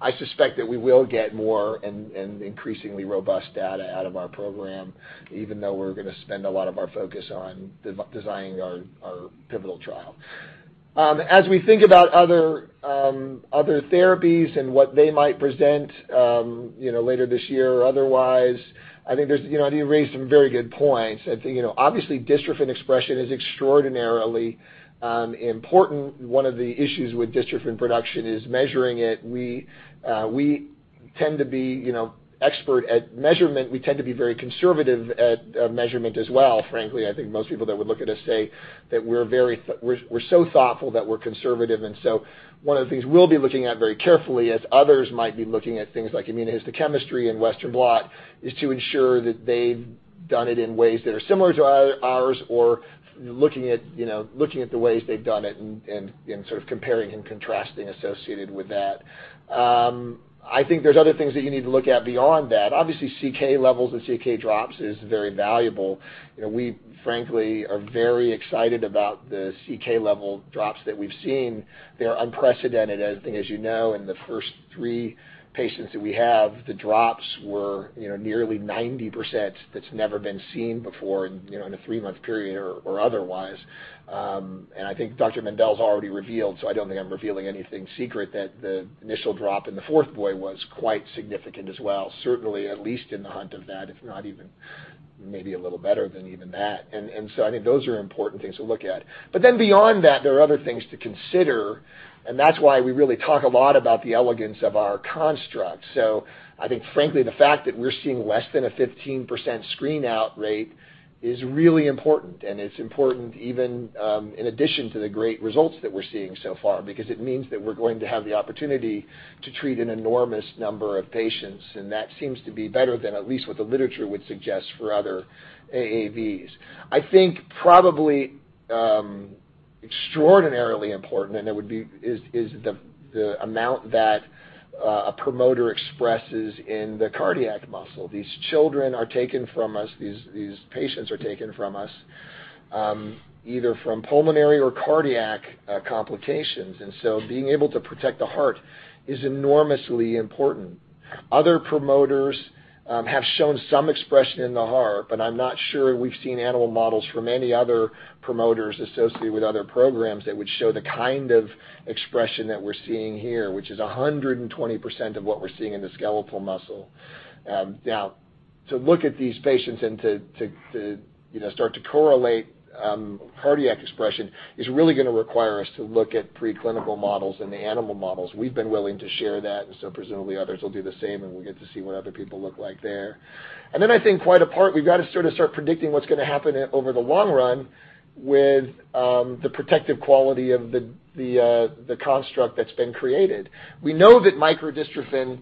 I suspect that we will get more and increasingly robust data out of our program, even though we're going to spend a lot of our focus on designing our pivotal trial. As we think about other therapies and what they might present later this year or otherwise, I think you raised some very good points. I think obviously dystrophin expression is extraordinarily important. One of the issues with dystrophin production is measuring it. We tend to be expert at measurement. We tend to be very conservative at measurement as well. Frankly, I think most people that would look at us say that we're so thoughtful that we're conservative. One of the things we'll be looking at very carefully, as others might be looking at things like immunohistochemistry and Western blot, is to ensure that they've done it in ways that are similar to ours, or looking at the ways they've done it and sort of comparing and contrasting associated with that. I think there's other things that you need to look at beyond that. Obviously, CK levels and CK drops is very valuable. We frankly are very excited about the CK level drops that we've seen. They're unprecedented. I think as you know, in the first three patients that we have, the drops were nearly 90%. That's never been seen before in a three-month period or otherwise. I think Dr. Mendell's already revealed, so I don't think I'm revealing anything secret, that the initial drop in the fourth boy was quite significant as well. Certainly at least in the hunt of that, if not even maybe a little better than even that. I think those are important things to look at. Beyond that, there are other things to consider, and that's why we really talk a lot about the elegance of our construct. I think frankly the fact that we're seeing less than a 15% screen out rate is really important, and it's important even in addition to the great results that we're seeing so far, because it means that we're going to have the opportunity to treat an enormous number of patients, and that seems to be better than at least what the literature would suggest for other AAVs. I think probably extraordinarily important, and it would be, is the amount that a promoter expresses in the cardiac muscle. These children are taken from us, these patients are taken from us, either from pulmonary or cardiac complications, being able to protect the heart is enormously important. Other promoters have shown some expression in the heart, but I'm not sure we've seen animal models from any other promoters associated with other programs that would show the kind of expression that we're seeing here, which is 120% of what we're seeing in the skeletal muscle. Now, to look at these patients and to start to correlate cardiac expression is really going to require us to look at preclinical models and the animal models. We've been willing to share that, presumably others will do the same, and we'll get to see what other people look like there. I think quite apart, we've got to sort of start predicting what's going to happen over the long run with the protective quality of the construct that's been created. We know that microdystrophin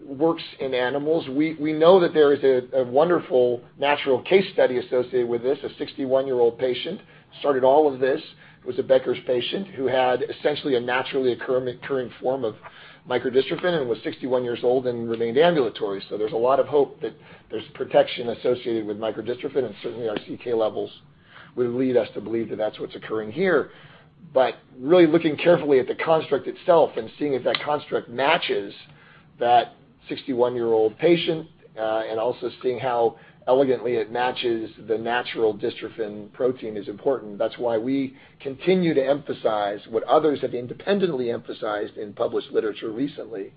works in animals. We know that there is a wonderful natural case study associated with this. A 61-year-old patient started all of this, was a Becker's patient who had essentially a naturally occurring form of microdystrophin and was 61 years old and remained ambulatory. There's a lot of hope that there's protection associated with microdystrophin, and certainly our CK levels would lead us to believe that that's what's occurring here. Really looking carefully at the construct itself and seeing if that construct matches that 61-year-old patient, and also seeing how elegantly it matches the natural dystrophin protein is important. That's why we continue to emphasize what others have independently emphasized in published literature recently,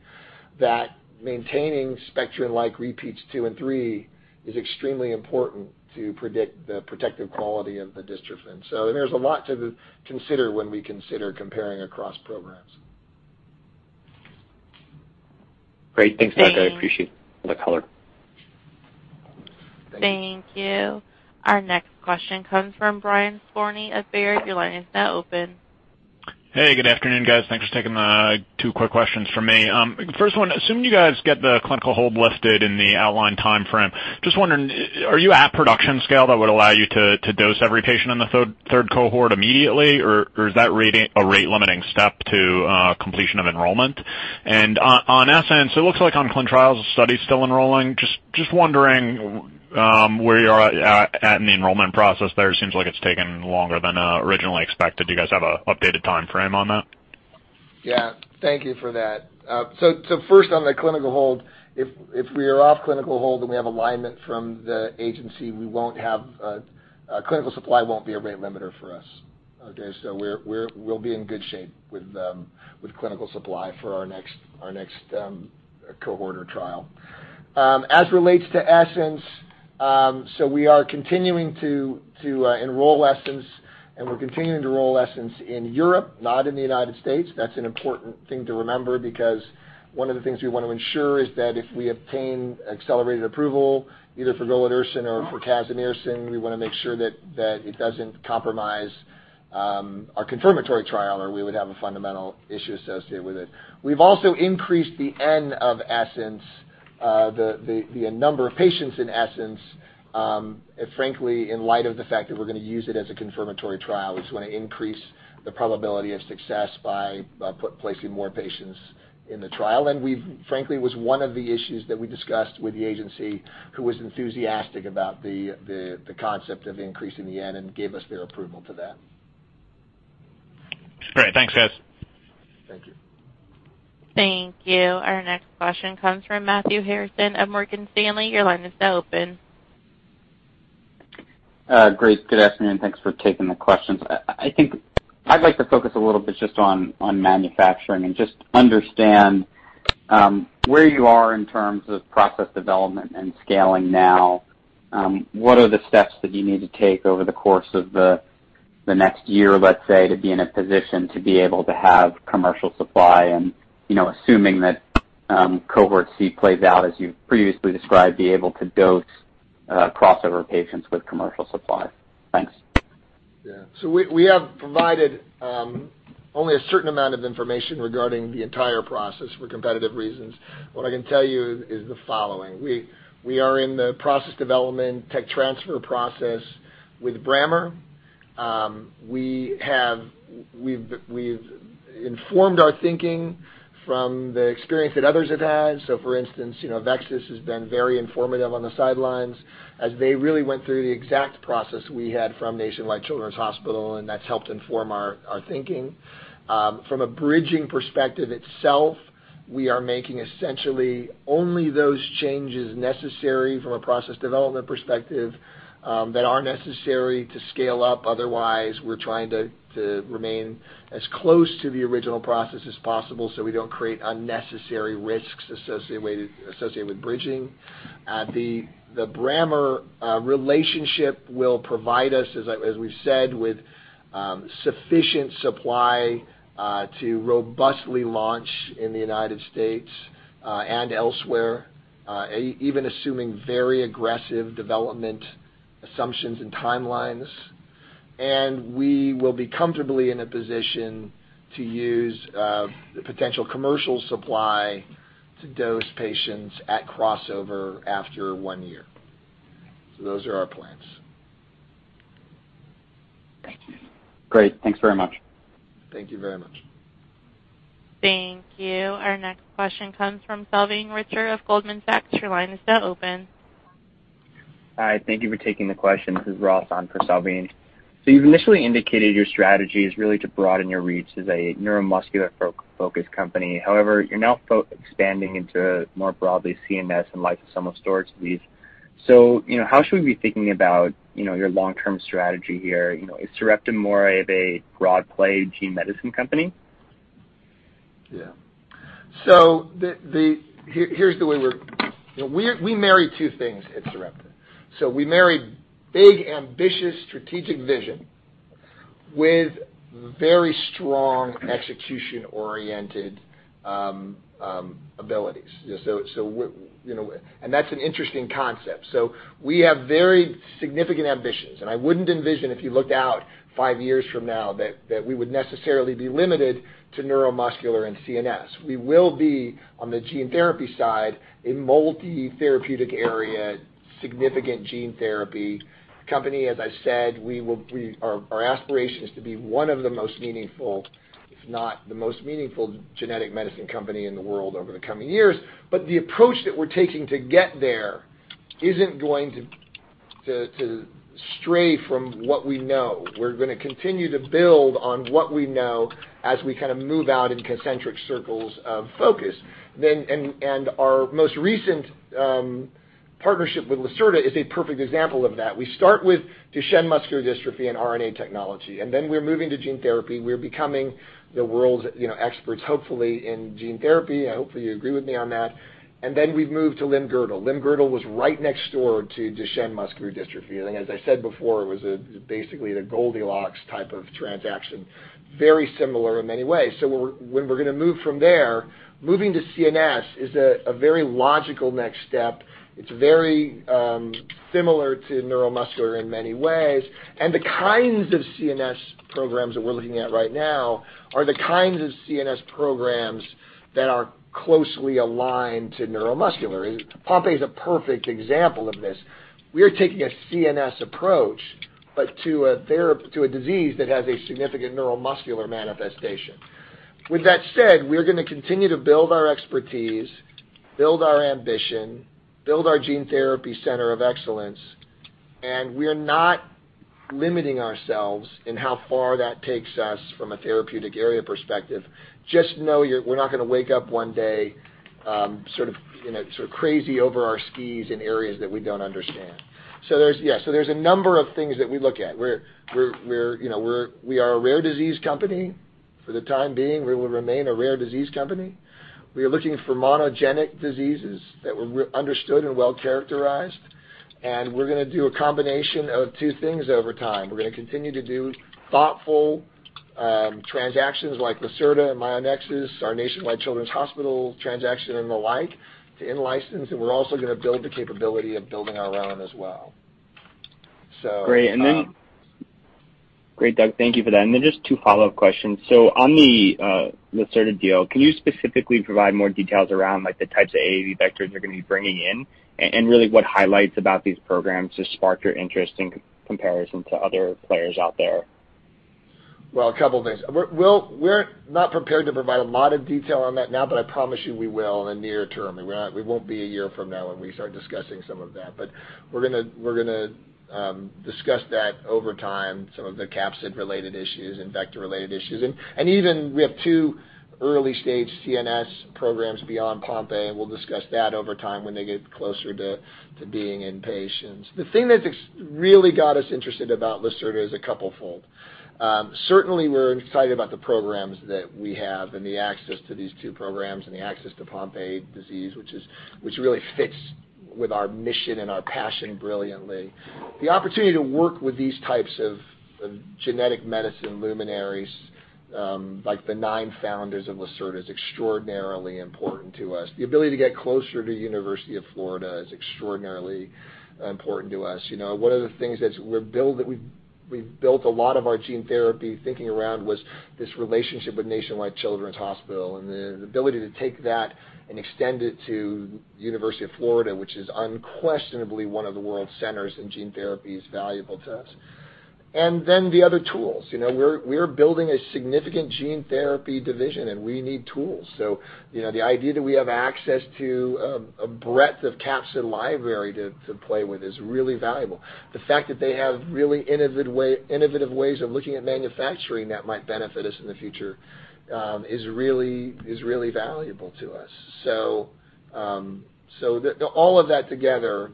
that maintaining spectrin-like repeats two and three is extremely important to predict the protective quality of the dystrophin. There's a lot to consider when we consider comparing across programs. Great. Thanks, Doug. I appreciate the color. Thank you. Our next question comes from Brian Skorney of Baird. Your line is now open. Hey, good afternoon, guys. Thanks for taking the two quick questions from me. First one, assuming you guys get the clinical hold lifted in the outlined timeframe, just wondering, are you at production scale that would allow you to dose every patient in the third cohort immediately, or is that a rate-limiting step to completion of enrollment? On ESSENCE, it looks like on ClinicalTrials.gov, the study's still enrolling. Just wondering where you're at in the enrollment process there. It seems like it's taken longer than originally expected. Do you guys have an updated timeframe on that? Yeah. Thank you for that. First, on the clinical hold, if we are off clinical hold and we have alignment from the agency, clinical supply won't be a rate limiter for us. We'll be in good shape with clinical supply for our next cohort or trial. As relates to ESSENCE, we are continuing to enroll ESSENCE, and we're continuing to enroll ESSENCE in Europe, not in the U.S. That's an important thing to remember, because one of the things we want to ensure is that if we obtain accelerated approval, either for golodirsen or for casimersen, we want to make sure that it doesn't compromise our confirmatory trial, or we would have a fundamental issue associated with it. We've also increased the N of ESSENCE, the number of patients in ESSENCE, frankly, in light of the fact that we're going to use it as a confirmatory trial. We just want to increase the probability of success by placing more patients in the trial. Frankly, it was one of the issues that we discussed with the agency, who was enthusiastic about the concept of increasing the N and gave us their approval for that. Great. Thanks, guys. Thank you. Thank you. Our next question comes from Matthew Harrison of Morgan Stanley. Your line is now open. Great. Good afternoon, and thanks for taking the questions. I think I'd like to focus a little bit just on manufacturing and just understand where you are in terms of process development and scaling now. What are the steps that you need to take over the course of the next year, let's say, to be in a position to be able to have commercial supply and, assuming that cohort C plays out as you previously described, be able to dose crossover patients with commercial supply? Thanks. Yeah. We have provided only a certain amount of information regarding the entire process for competitive reasons. What I can tell you is the following. We are in the process development, tech transfer process with Brammer. We've informed our thinking from the experience that others have had. For instance, AveXis has been very informative on the sidelines as they really went through the exact process we had from Nationwide Children's Hospital, and that's helped inform our thinking. From a bridging perspective itself, we are making essentially only those changes necessary from a process development perspective that are necessary to scale up. Otherwise, we're trying to remain as close to the original process as possible so we don't create unnecessary risks associated with bridging. The Brammer relationship will provide us, as we've said, with sufficient supply to robustly launch in the U.S. and elsewhere, even assuming very aggressive development assumptions and timelines. We will be comfortably in a position to use the potential commercial supply to dose patients at crossover after one year. Those are our plans. Thank you. Great. Thanks very much. Thank you very much. Thank you. Our next question comes from Salveen Richter of Goldman Sachs. Your line is now open. Hi, thank you for taking the question. This is Ross on for Salveen. You've initially indicated your strategy is really to broaden your reach as a neuromuscular-focused company. However, you're now expanding into more broadly CNS and lysosomal storage disease. How should we be thinking about your long-term strategy here? Is Sarepta more of a broad play gene medicine company? Here's the way we marry two things at Sarepta. We marry big, ambitious, strategic vision with very strong execution-oriented abilities. That's an interesting concept. We have very significant ambitions, and I wouldn't envision if you looked out 5 years from now that we would necessarily be limited to neuromuscular and CNS. We will be, on the gene therapy side, a multi-therapeutic area, significant gene therapy company. As I said, our aspiration is to be one of the most meaningful, if not the most meaningful genetic medicine company in the world over the coming years. The approach that we're taking to get there isn't going to stray from what we know. We're going to continue to build on what we know as we move out in concentric circles of focus. Our most recent Partnership with Lacerta is a perfect example of that. We start with Duchenne muscular dystrophy and RNA technology. Then we're moving to gene therapy. We're becoming the world's experts, hopefully, in gene therapy. I hope you agree with me on that. Then we've moved to Limb-girdle. Limb-girdle was right next door to Duchenne muscular dystrophy. As I said before, it was basically the Goldilocks type of transaction. Very similar in many ways. When we're going to move from there, moving to CNS is a very logical next step. It's very similar to neuromuscular in many ways, and the kinds of CNS programs that we're looking at right now are the kinds of CNS programs that are closely aligned to neuromuscular. Pompe is a perfect example of this. We are taking a CNS approach, but to a disease that has a significant neuromuscular manifestation. With that said, we're going to continue to build our expertise, build our ambition, build our gene therapy center of excellence. We are not limiting ourselves in how far that takes us from a therapeutic area perspective. Just know we're not going to wake up one day, sort of crazy over our skis in areas that we don't understand. There's a number of things that we look at. We are a rare disease company. For the time being, we will remain a rare disease company. We are looking for monogenic diseases that were understood and well-characterized. We're going to do a combination of two things over time. We're going to continue to do thoughtful transactions like Lacerta and Myonexus, our Nationwide Children's Hospital transaction and the like, to in-license. We're also going to build the capability of building our own as well. Great, Doug. Thank you for that. Then just two follow-up questions. On the Lacerta deal, can you specifically provide more details around the types of AAV vectors you're going to be bringing in? Really what highlights about these programs just sparked your interest in comparison to other players out there? A couple of things. We're not prepared to provide a lot of detail on that now, but I promise you we will in the near term. It won't be a year from now when we start discussing some of that. We're going to discuss that over time, some of the capsid-related issues and vector-related issues. Even, we have two early-stage CNS programs beyond Pompe, and we'll discuss that over time when they get closer to being in patients. The thing that's really got us interested about Lacerta is a couple-fold. Certainly, we're excited about the programs that we have and the access to these two programs and the access to Pompe disease, which really fits with our mission and our passion brilliantly. The opportunity to work with these types of genetic medicine luminaries, like the nine founders of Lacerta, is extraordinarily important to us. The ability to get closer to University of Florida is extraordinarily important to us. One of the things that we've built a lot of our gene therapy thinking around was this relationship with Nationwide Children's Hospital, and the ability to take that and extend it to University of Florida, which is unquestionably one of the world's centers in gene therapy, is valuable to us. The other tools. We are building a significant gene therapy division, and we need tools. The idea that we have access to a breadth of capsid library to play with is really valuable. The fact that they have really innovative ways of looking at manufacturing that might benefit us in the future is really valuable to us. All of that together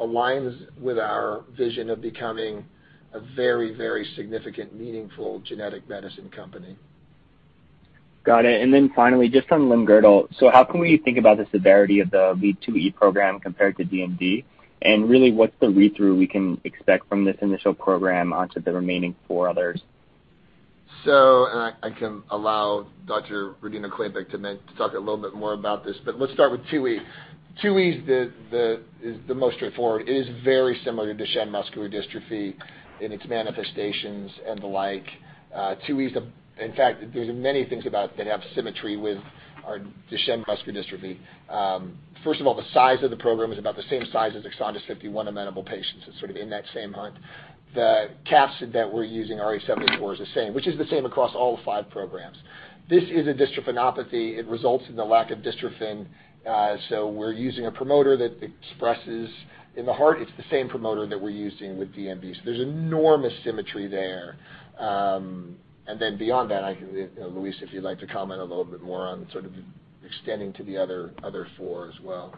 aligns with our vision of becoming a very, very significant, meaningful genetic medicine company. Got it. Finally, just on limb-girdle. How can we think about the severity of the LGMD2E program compared to DMD? Really, what's the read-through we can expect from this initial program onto the remaining four others? I can allow Dr. Louise Rodino-Klapac to talk a little bit more about this, but let's start with 2E. 2E is the most straightforward. It is very similar to Duchenne muscular dystrophy in its manifestations and the like. 2E, in fact, there's many things about it that have symmetry with our Duchenne muscular dystrophy. First of all, the size of the program is about the same size as EXONDYS 51 amenable patients. It's sort of in that same hunt. The capsid that we're using, Rh74, is the same, which is the same across all five programs. This is a dystrophinopathy. It results in the lack of dystrophin. We're using a promoter that expresses in the heart. It's the same promoter that we're using with DMD. There's enormous symmetry there. Beyond that, Louise, if you'd like to comment a little bit more on sort of extending to the other four as well.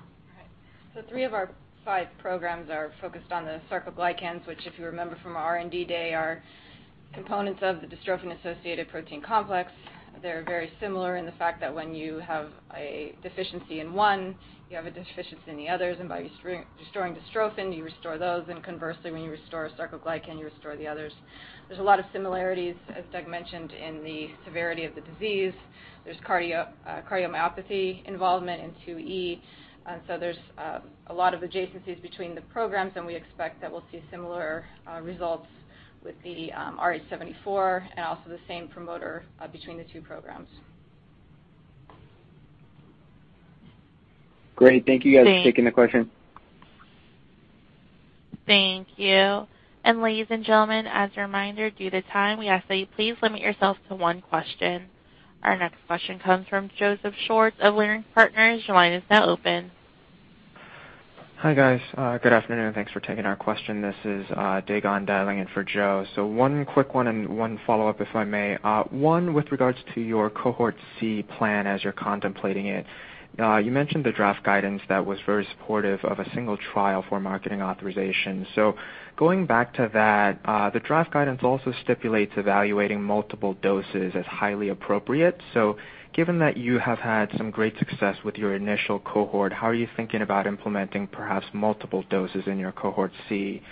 Three of our five programs are focused on the sarcoglycans, which, if you remember from our R&D day, are components of the dystrophin-associated protein complex. They're very similar in the fact that when you have a deficiency in one, you have a deficiency in the others, and by restoring dystrophin, you restore those, and conversely, when you restore sarcoglycan, you restore the others. There's a lot of similarities, as Doug mentioned, in the severity of the disease. There's cardiomyopathy involvement in 2E. There's a lot of adjacencies between the programs, and we expect that we'll see similar results with the Rh74 and also the same promoter between the two programs. Great. Thank you guys for taking the question. Thank you. Ladies and gentlemen, as a reminder, due to time, we ask that you please limit yourself to one question. Our next question comes from Joseph Schwartz of Leerink Partners. Your line is now open Hi guys. Good afternoon. Thanks for taking our question. This is Dagon dialing in for Joe. One quick one and one follow-up, if I may. With regards to your cohort C plan as you're contemplating it. You mentioned the draft guidance that was very supportive of a single trial for marketing authorization. Going back to that, the draft guidance also stipulates evaluating multiple doses as highly appropriate. Given that you have had some great success with your initial cohort, how are you thinking about implementing perhaps multiple doses in your cohort C?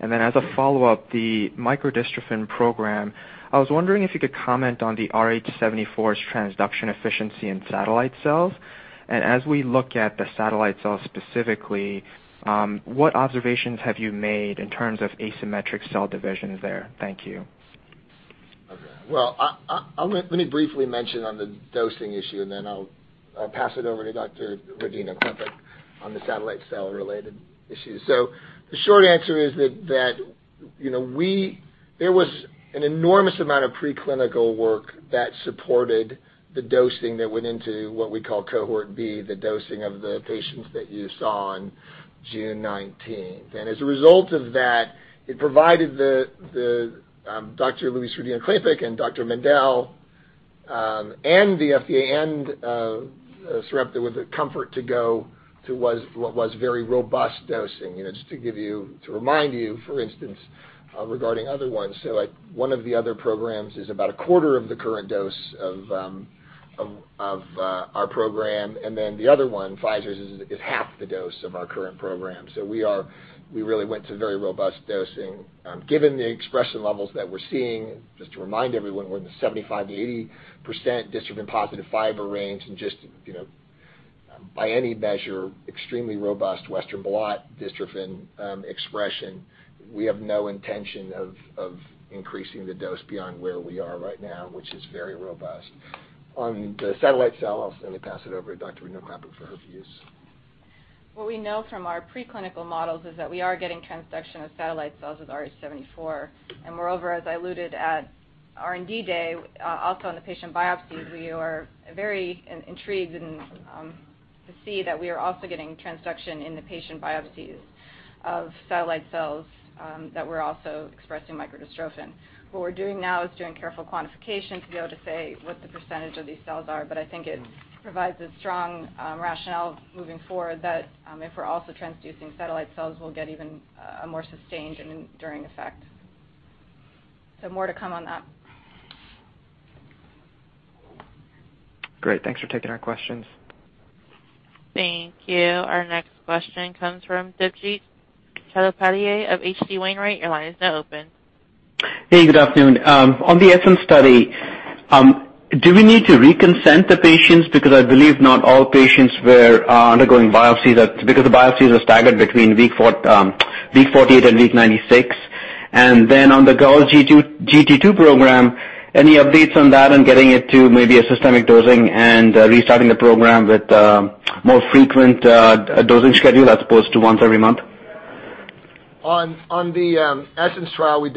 And then as a follow-up, the microdystrophin program, I was wondering if you could comment on the RH74's transduction efficiency in satellite cells. And as we look at the satellite cells specifically, what observations have you made in terms of asymmetric cell divisions there? Thank you. Let me briefly mention on the dosing issue, then I'll pass it over to Dr. Rodino-Klapac on the satellite cell related issue. The short answer is that there was an enormous amount of preclinical work that supported the dosing that went into what we call cohort B, the dosing of the patients that you saw on June 19th. As a result of that, it provided Dr. Louise Rodino-Klapac and Dr. Mendell, and the FDA, and Sarepta with the comfort to go to what was very robust dosing. Just to remind you, for instance, regarding other ones. One of the other programs is about a quarter of the current dose of our program, then the other one, Pfizer's, is half the dose of our current program. We really went to very robust dosing. Given the expression levels that we're seeing, just to remind everyone, we're in the 75%-80% dystrophin positive fiber range and just by any measure, extremely robust Western blot dystrophin expression. We have no intention of increasing the dose beyond where we are right now, which is very robust. On the satellite cell, I'll certainly pass it over to Dr. Rodino-Klapac for her views. What we know from our preclinical models is that we are getting transduction of satellite cells with RH74. Moreover, as I alluded at R&D Day, also in the patient biopsies, we are very intrigued to see that we are also getting transduction in the patient biopsies of satellite cells that were also expressing microdystrophin. What we're doing now is doing careful quantification to be able to say what the percentage of these cells are, but I think it provides a strong rationale moving forward that if we're also transducing satellite cells, we'll get even a more sustained enduring effect. More to come on that. Great. Thanks for taking our questions. Thank you. Our next question comes from Debjit Chattopadhyay of H.C. Wainwright & Co. Your line is now open. Hey, good afternoon. On the ESSENCE study, do we need to reconsent the patients because I believe not all patients were undergoing biopsies because the biopsies are staggered between week 48 and week 96. On the GALGT2 program, any updates on that on getting it to maybe a systemic dosing and restarting the program with more frequent dosing schedule as opposed to once every month? On the ESSENCE trial, we're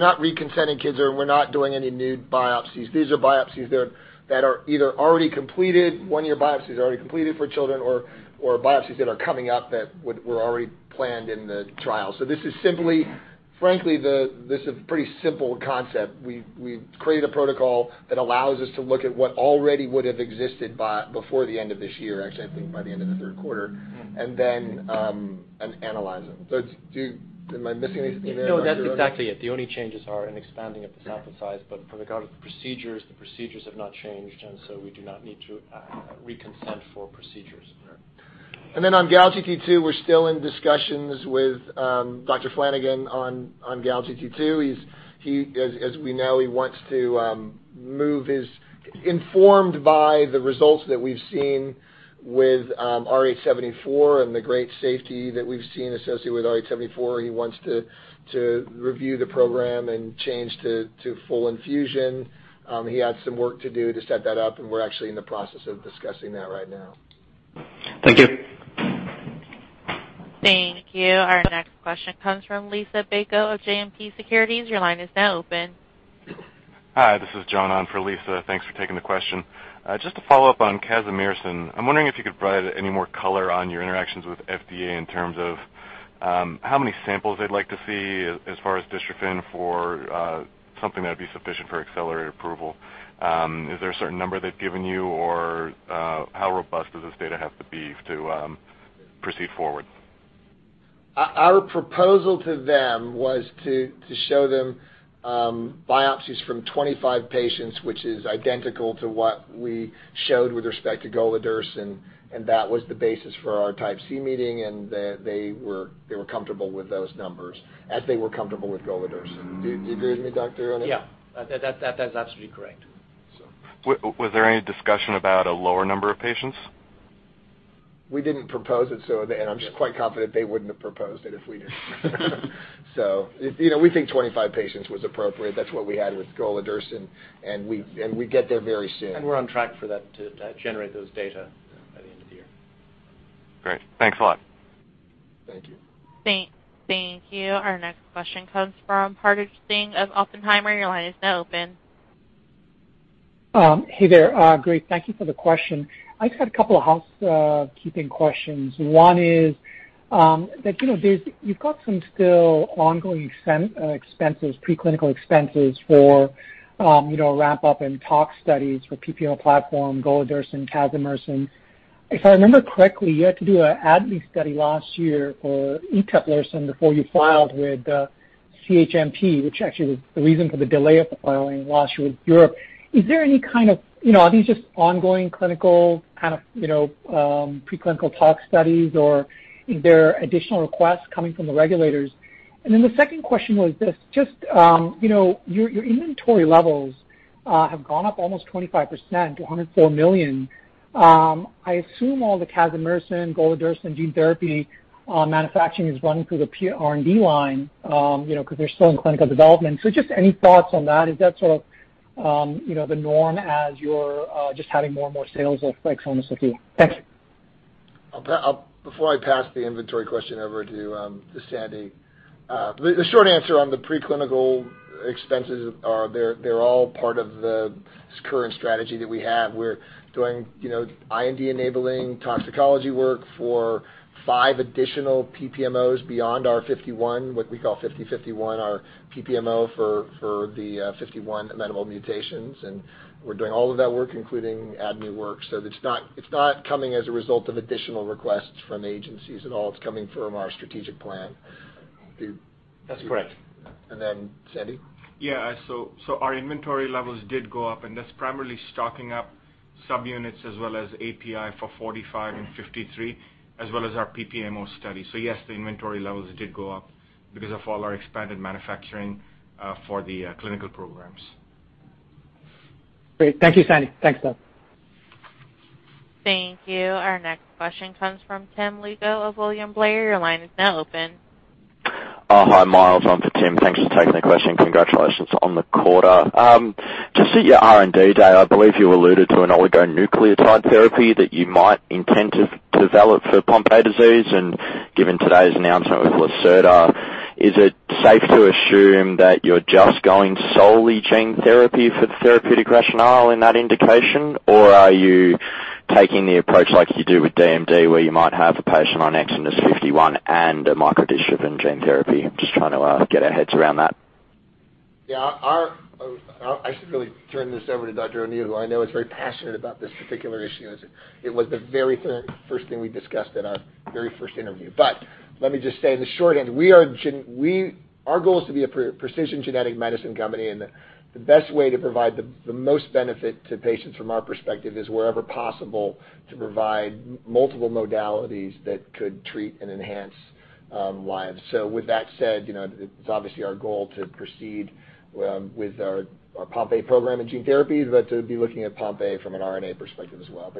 not reconsenting kids or we're not doing any new biopsies. These are biopsies that are either already completed, one-year biopsies already completed for children or biopsies that are coming up that were already planned in the trial. This is frankly, this is a pretty simple concept. We've created a protocol that allows us to look at what already would have existed before the end of this year, actually, I think by the end of the third quarter, then analyzing. Am I missing anything there, Dr. O'Neil? No, that's exactly it. The only changes are in expanding of the sample size, but from the procedures have not changed, we do not need to reconsent for procedures. On GALGT2, we're still in discussions with Dr. Flanigan on GALGT2. As we know, he wants to move informed by the results that we've seen with RH74 and the great safety that we've seen associated with RH74, he wants to review the program and change to full infusion. He had some work to do to set that up, we're actually in the process of discussing that right now. Thank you. Thank you. Our next question comes from Liisa Bayko of JMP Securities. Your line is now open. Hi, this is John on for Liisa. Thanks for taking the question. Just to follow up on casimersen. I'm wondering if you could provide any more color on your interactions with FDA in terms of how many samples they'd like to see as far as dystrophin for something that would be sufficient for accelerated approval. Is there a certain number they've given you or how robust does this data have to be to proceed forward? Our proposal to them was to show them biopsies from 25 patients, which is identical to what we showed with respect to golodirsen, and that was the basis for our type C meeting, and they were comfortable with those numbers as they were comfortable with golodirsen. Do you agree with me, doctor? Yeah. That's absolutely correct. Was there any discussion about a lower number of patients? We didn't propose it, I'm just quite confident they wouldn't have proposed it if we did. We think 25 patients was appropriate. That's what we had with Golodirsen, we get there very soon. We're on track for that to generate those data by the end of the year. Great. Thanks a lot. Thank you. Thank you. Our next question comes from Hartaj Singh of Oppenheimer. Your line is now open. Hey there. Great. Thank you for the question. I just had a couple of housekeeping questions. One is that you've got some still ongoing preclinical expenses for wrap-up and tox studies for PPMO platform, golodirsen, casimersen. If I remember correctly, you had to do an ADME study last year for eteplirsen before you filed with CHMP, which actually was the reason for the delay of the filing last year with Europe. Are these just ongoing clinical, preclinical tox studies, or are there additional requests coming from the regulators? The second question was this. Your inventory levels have gone up almost 25%, to $104 million. I assume all the casimersen, golodirsen gene therapy manufacturing is running through the R&D line, because they're still in clinical development. So just any thoughts on that? Is that sort of the norm as you're just having more and more sales of EXONDYS 51? Thanks. Before I pass the inventory question over to Sandy, the short answer on the preclinical expenses are they're all part of the current strategy that we have. We're doing IND-enabling toxicology work for five additional PPMOs beyond our 51, what we call SRP-5051, our PPMO for the 51 amenable mutations, and we're doing all of that work, including ADME work. It's not coming as a result of additional requests from agencies at all. It's coming from our strategic plan. That's correct. Sandeep? Yeah. Our inventory levels did go up, and that's primarily stocking up subunits as well as API for 45 and 53, as well as our PPMO study. Yes, the inventory levels did go up because of all our expanded manufacturing for the clinical programs. Great. Thank you, Sandy. Thanks, (Doug). Thank you. Our next question comes from Tim Lugo of William Blair. Your line is now open. Hi, Miles. I'm for Tim. Thanks for taking the question. Congratulations on the quarter. Just at your R&D day, I believe you alluded to an oligonucleotide therapy that you might intend to develop for Pompe disease. Given today's announcement with Lacerta, is it safe to assume that you're just going solely gene therapy for the therapeutic rationale in that indication? Or are you taking the approach like you do with DMD, where you might have a patient on EXONDYS 51 and a microdystrophin gene therapy? I'm just trying to get our heads around that. Yeah. I should really turn this over to Dr. O'Neill, who I know is very passionate about this particular issue, as it was the very first thing we discussed at our very first interview. Let me just say in the short end, our goal is to be a precision genetic medicine company, and the best way to provide the most benefit to patients from our perspective is wherever possible to provide multiple modalities that could treat and enhance lives. With that said, it's obviously our goal to proceed with our Pompe program and gene therapy, but to be looking at Pompe from an RNA perspective as well.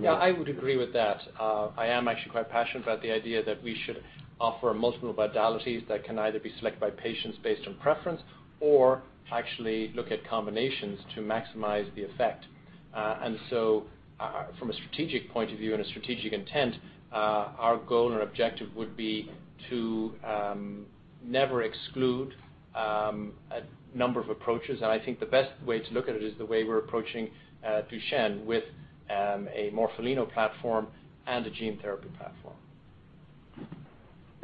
Yeah, I would agree with that. I am actually quite passionate about the idea that we should offer multiple modalities that can either be selected by patients based on preference or actually look at combinations to maximize the effect. From a strategic point of view and a strategic intent, our goal and objective would be to never exclude a number of approaches, and I think the best way to look at it is the way we're approaching Duchenne with a Morpholino platform and a gene therapy platform.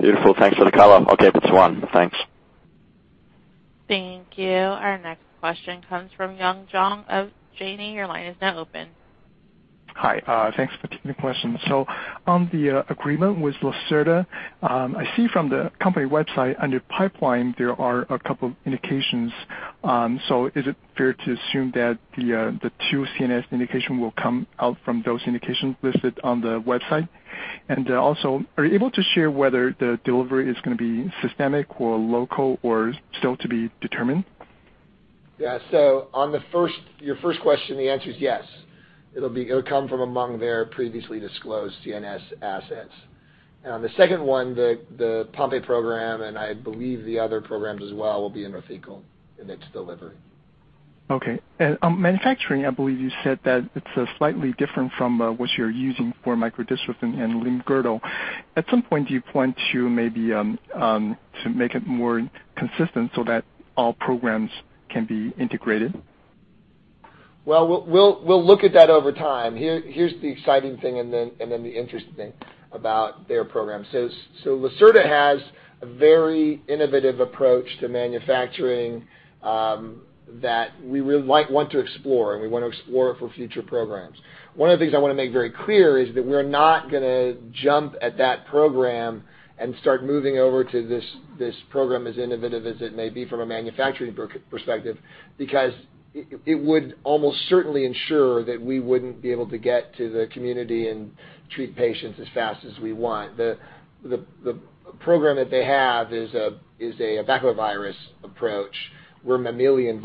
Beautiful. Thanks for the color. I'll give it to John. Thanks. Thank you. Our next question comes from Yun Zhong of Janney. Your line is now open. Hi. Thanks for taking the question. On the agreement with Lacerta, I see from the company website under pipeline, there are a couple of indications. Is it fair to assume that the two CNS indication will come out from those indications listed on the website? Are you able to share whether the delivery is going to be systemic or local or still to be determined? Yeah. On your first question, the answer is yes. It'll come from among their previously disclosed CNS assets. On the second one, the Pompe program, and I believe the other programs as well, will be intranasal in its delivery. Okay. On manufacturing, I believe you said that it's slightly different from what you're using for microdystrophin and limb-girdle. At some point, do you plan to maybe make it more consistent so that all programs can be integrated? Well, we'll look at that over time. Here's the exciting thing and then the interesting thing about their program. Lacerta has a very innovative approach to manufacturing that we might want to explore, and we want to explore it for future programs. One of the things I want to make very clear is that we're not going to jump at that program and start moving over to this program, as innovative as it may be from a manufacturing perspective, because it would almost certainly ensure that we wouldn't be able to get to the community and treat patients as fast as we want. The program that they have is a baculovirus approach. We're a mammalian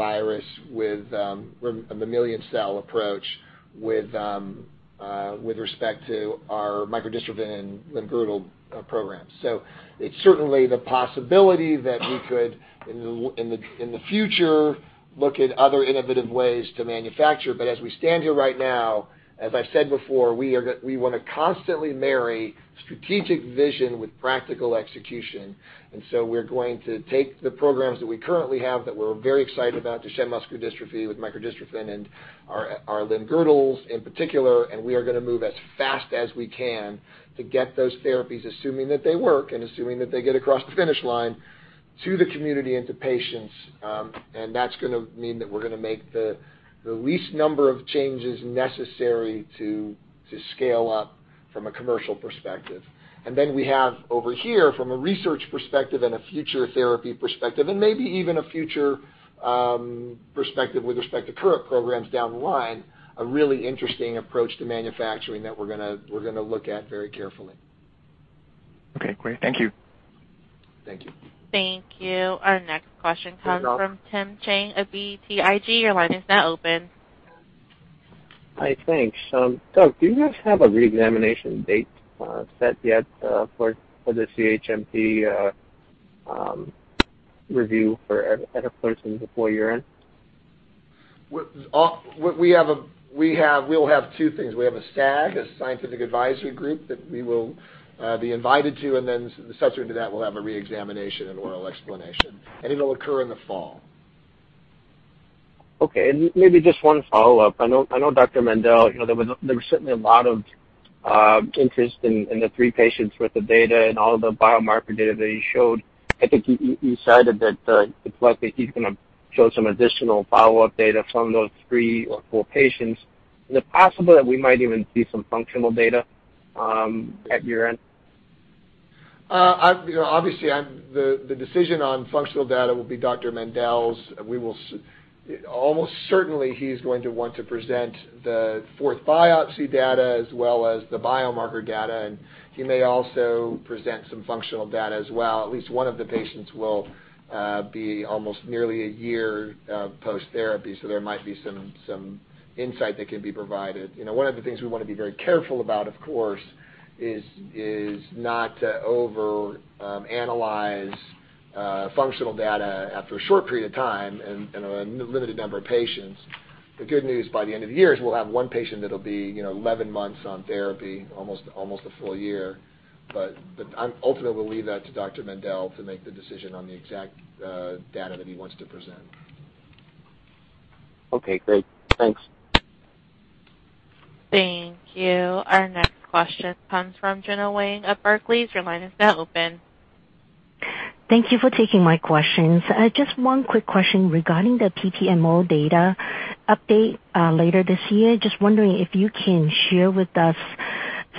cell approach with respect to our microdystrophin limb-girdle programs. It's certainly the possibility that we could, in the future, look at other innovative ways to manufacture. As we stand here right now, as I've said before, we want to constantly marry strategic vision with practical execution. We're going to take the programs that we currently have that we're very excited about, Duchenne muscular dystrophy with microdystrophin and our limb-girdles in particular, and we are going to move as fast as we can to get those therapies, assuming that they work and assuming that they get across the finish line to the community and to patients, and that's going to mean that we're going to make the least number of changes necessary to scale up from a commercial perspective. We have over here from a research perspective and a future therapy perspective, and maybe even a future perspective with respect to current programs down the line, a really interesting approach to manufacturing that we're going to look at very carefully. Okay, great. Thank you. Thank you. Thank you. Our next question comes from Timothy Chiang of BTIG. Your line is now open. Hi, thanks. Doug, do you guys have a re-examination date set yet for the CHMP review for eteplirsen before year-end? We'll have two things. We have a SAG, a scientific advisory group, that we will be invited to, then subsequent to that, we'll have a re-examination and oral explanation, and it'll occur in the fall. Okay, maybe just one follow-up. I know Dr. Mendell, there was certainly a lot of interest in the three patients with the data and all the biomarker data that he showed. I think you cited that it's likely he's going to show some additional follow-up data from those three or four patients. Is it possible that we might even see some functional data at year-end? Obviously, the decision on functional data will be Dr. Mendell's. Almost certainly he's going to want to present the fourth biopsy data as well as the biomarker data, and he may also present some functional data as well. At least one of the patients will be almost nearly a year post-therapy, so there might be some insight that can be provided. One of the things we want to be very careful about, of course, is not to overanalyze functional data after a short period of time and on a limited number of patients. The good news by the end of the year is we'll have one patient that'll be 11 months on therapy, almost a full year. Ultimately, we'll leave that to Dr. Mendell to make the decision on the exact data that he wants to present. Okay, great. Thanks. Thank you. Our next question comes from Gena Wang at Barclays. Your line is now open. Thank you for taking my questions. Just one quick question regarding the PPMO data update later this year. Just wondering if you can share with us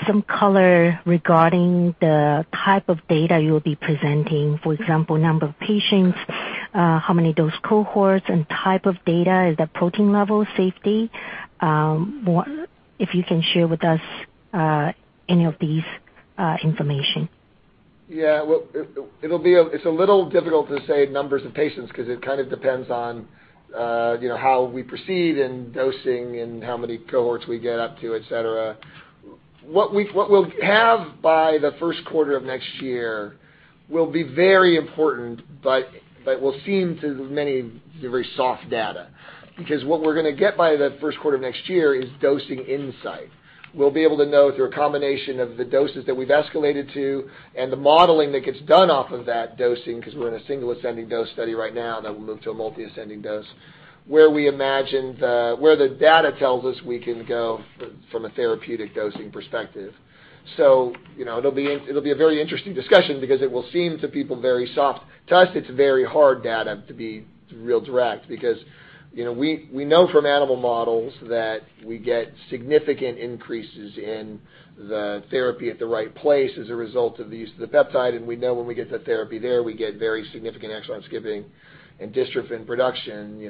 some color regarding the type of data you'll be presenting. For example, number of patients, how many dose cohorts and type of data. Is that protein level, safety? If you can share with us any of these information. Well, it's a little difficult to say numbers of patients because it kind of depends on how we proceed in dosing and how many cohorts we get up to, et cetera. What we'll have by the first quarter of next year will be very important, but will seem to many very soft data. Because what we're going to get by the first quarter of next year is dosing insight. We'll be able to know through a combination of the doses that we've escalated to and the modeling that gets done off of that dosing, because we're in a single ascending dose study right now, and then we'll move to a multi ascending dose, where the data tells us we can go from a therapeutic dosing perspective. It'll be a very interesting discussion because it will seem to people very soft. To us, it's very hard data to be real direct because, we know from animal models that we get significant increases in the therapy at the right place as a result of the use of the peptide, and we know when we get that therapy there, we get very significant exon skipping and dystrophin production,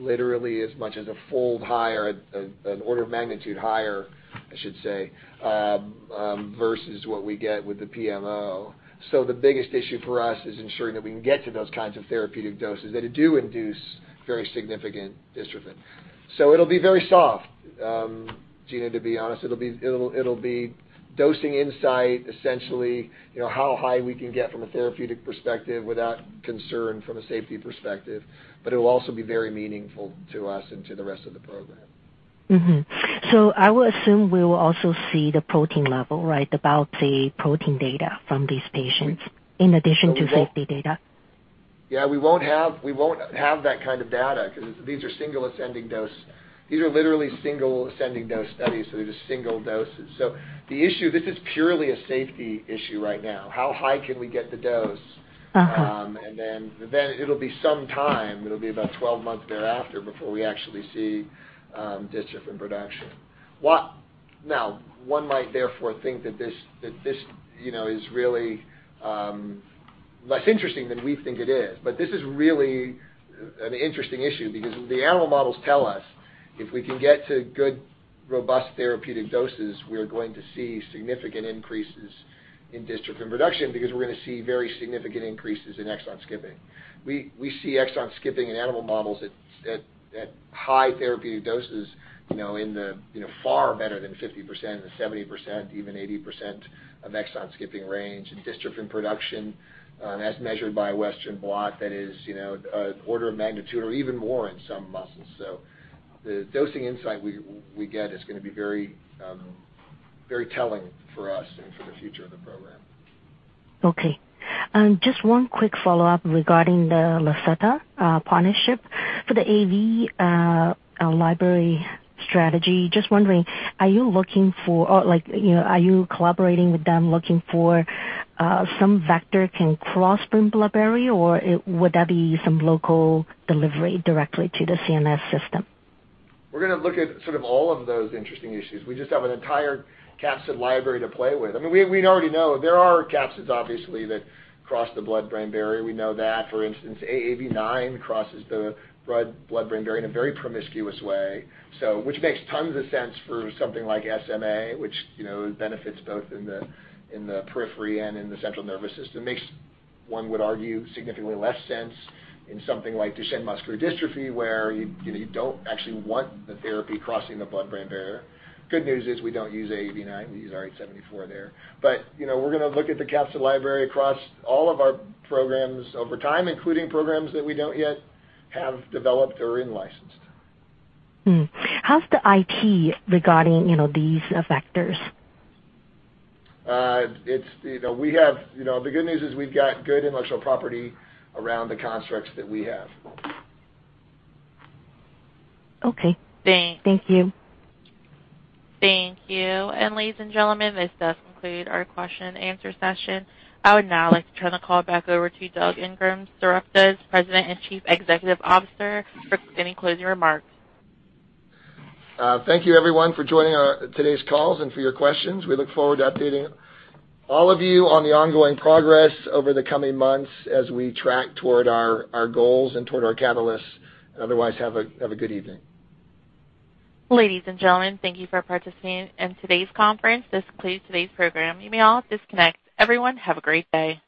literally as much as a fold higher, an order of magnitude higher, I should say, versus what we get with the PMO. The biggest issue for us is ensuring that we can get to those kinds of therapeutic doses that do induce very significant dystrophin. It'll be very soft, Gena, to be honest. It'll be dosing insight, essentially, how high we can get from a therapeutic perspective without concern from a safety perspective. It will also be very meaningful to us and to the rest of the program. I will assume we will also see the protein level, right? The biopsy protein data from these patients in addition to safety data. We won't have that kind of data because these are single ascending dose. These are literally single ascending dose studies, so they're just single doses. The issue, this is purely a safety issue right now. How high can we get the dose? it'll be some time, it'll be about 12 months thereafter, before we actually see dystrophin production. One might therefore think that this is really less interesting than we think it is. This is really an interesting issue because the animal models tell us if we can get to good, robust therapeutic doses, we are going to see significant increases in dystrophin production because we're going to see very significant increases in exon skipping. We see exon skipping in animal models at high therapeutic doses, far better than 50% and 70%, even 80% of exon skipping range and dystrophin production, as measured by a Western blot that is an order of magnitude or even more in some muscles. The dosing insight we get is going to be very telling for us and for the future of the program. Okay. Just one quick follow-up regarding the Lacerta partnership. For the AAV library strategy, just wondering, are you collaborating with them looking for some vector can cross brain barrier or would that be some local delivery directly to the CNS system? We're going to look at sort of all of those interesting issues. We just have an entire capsid library to play with. I mean, we already know there are capsids obviously that cross the blood-brain barrier. We know that, for instance, AAV9 crosses the blood-brain barrier in a very promiscuous way. Which makes tons of sense for something like SMA, which benefits both in the periphery and in the central nervous system. Makes, one would argue, significantly less sense in something like Duchenne muscular dystrophy, where you don't actually want the therapy crossing the blood-brain barrier. Good news is we don't use AAV9. We use RH74 there. We're going to look at the capsid library across all of our programs over time, including programs that we don't yet have developed or in-licensed. How's the IP regarding these vectors? The good news is we've got good intellectual property around the constructs that we have. Okay. Thank you. Thank you. Ladies and gentlemen, this does conclude our question and answer session. I would now like to turn the call back over to Douglas Ingram, Sarepta's President and Chief Executive Officer for any closing remarks. Thank you everyone for joining today's calls and for your questions. We look forward to updating all of you on the ongoing progress over the coming months as we track toward our goals and toward our catalysts, otherwise, have a good evening. Ladies and gentlemen, thank you for participating in today's conference. This concludes today's program. You may all disconnect. Everyone, have a great day.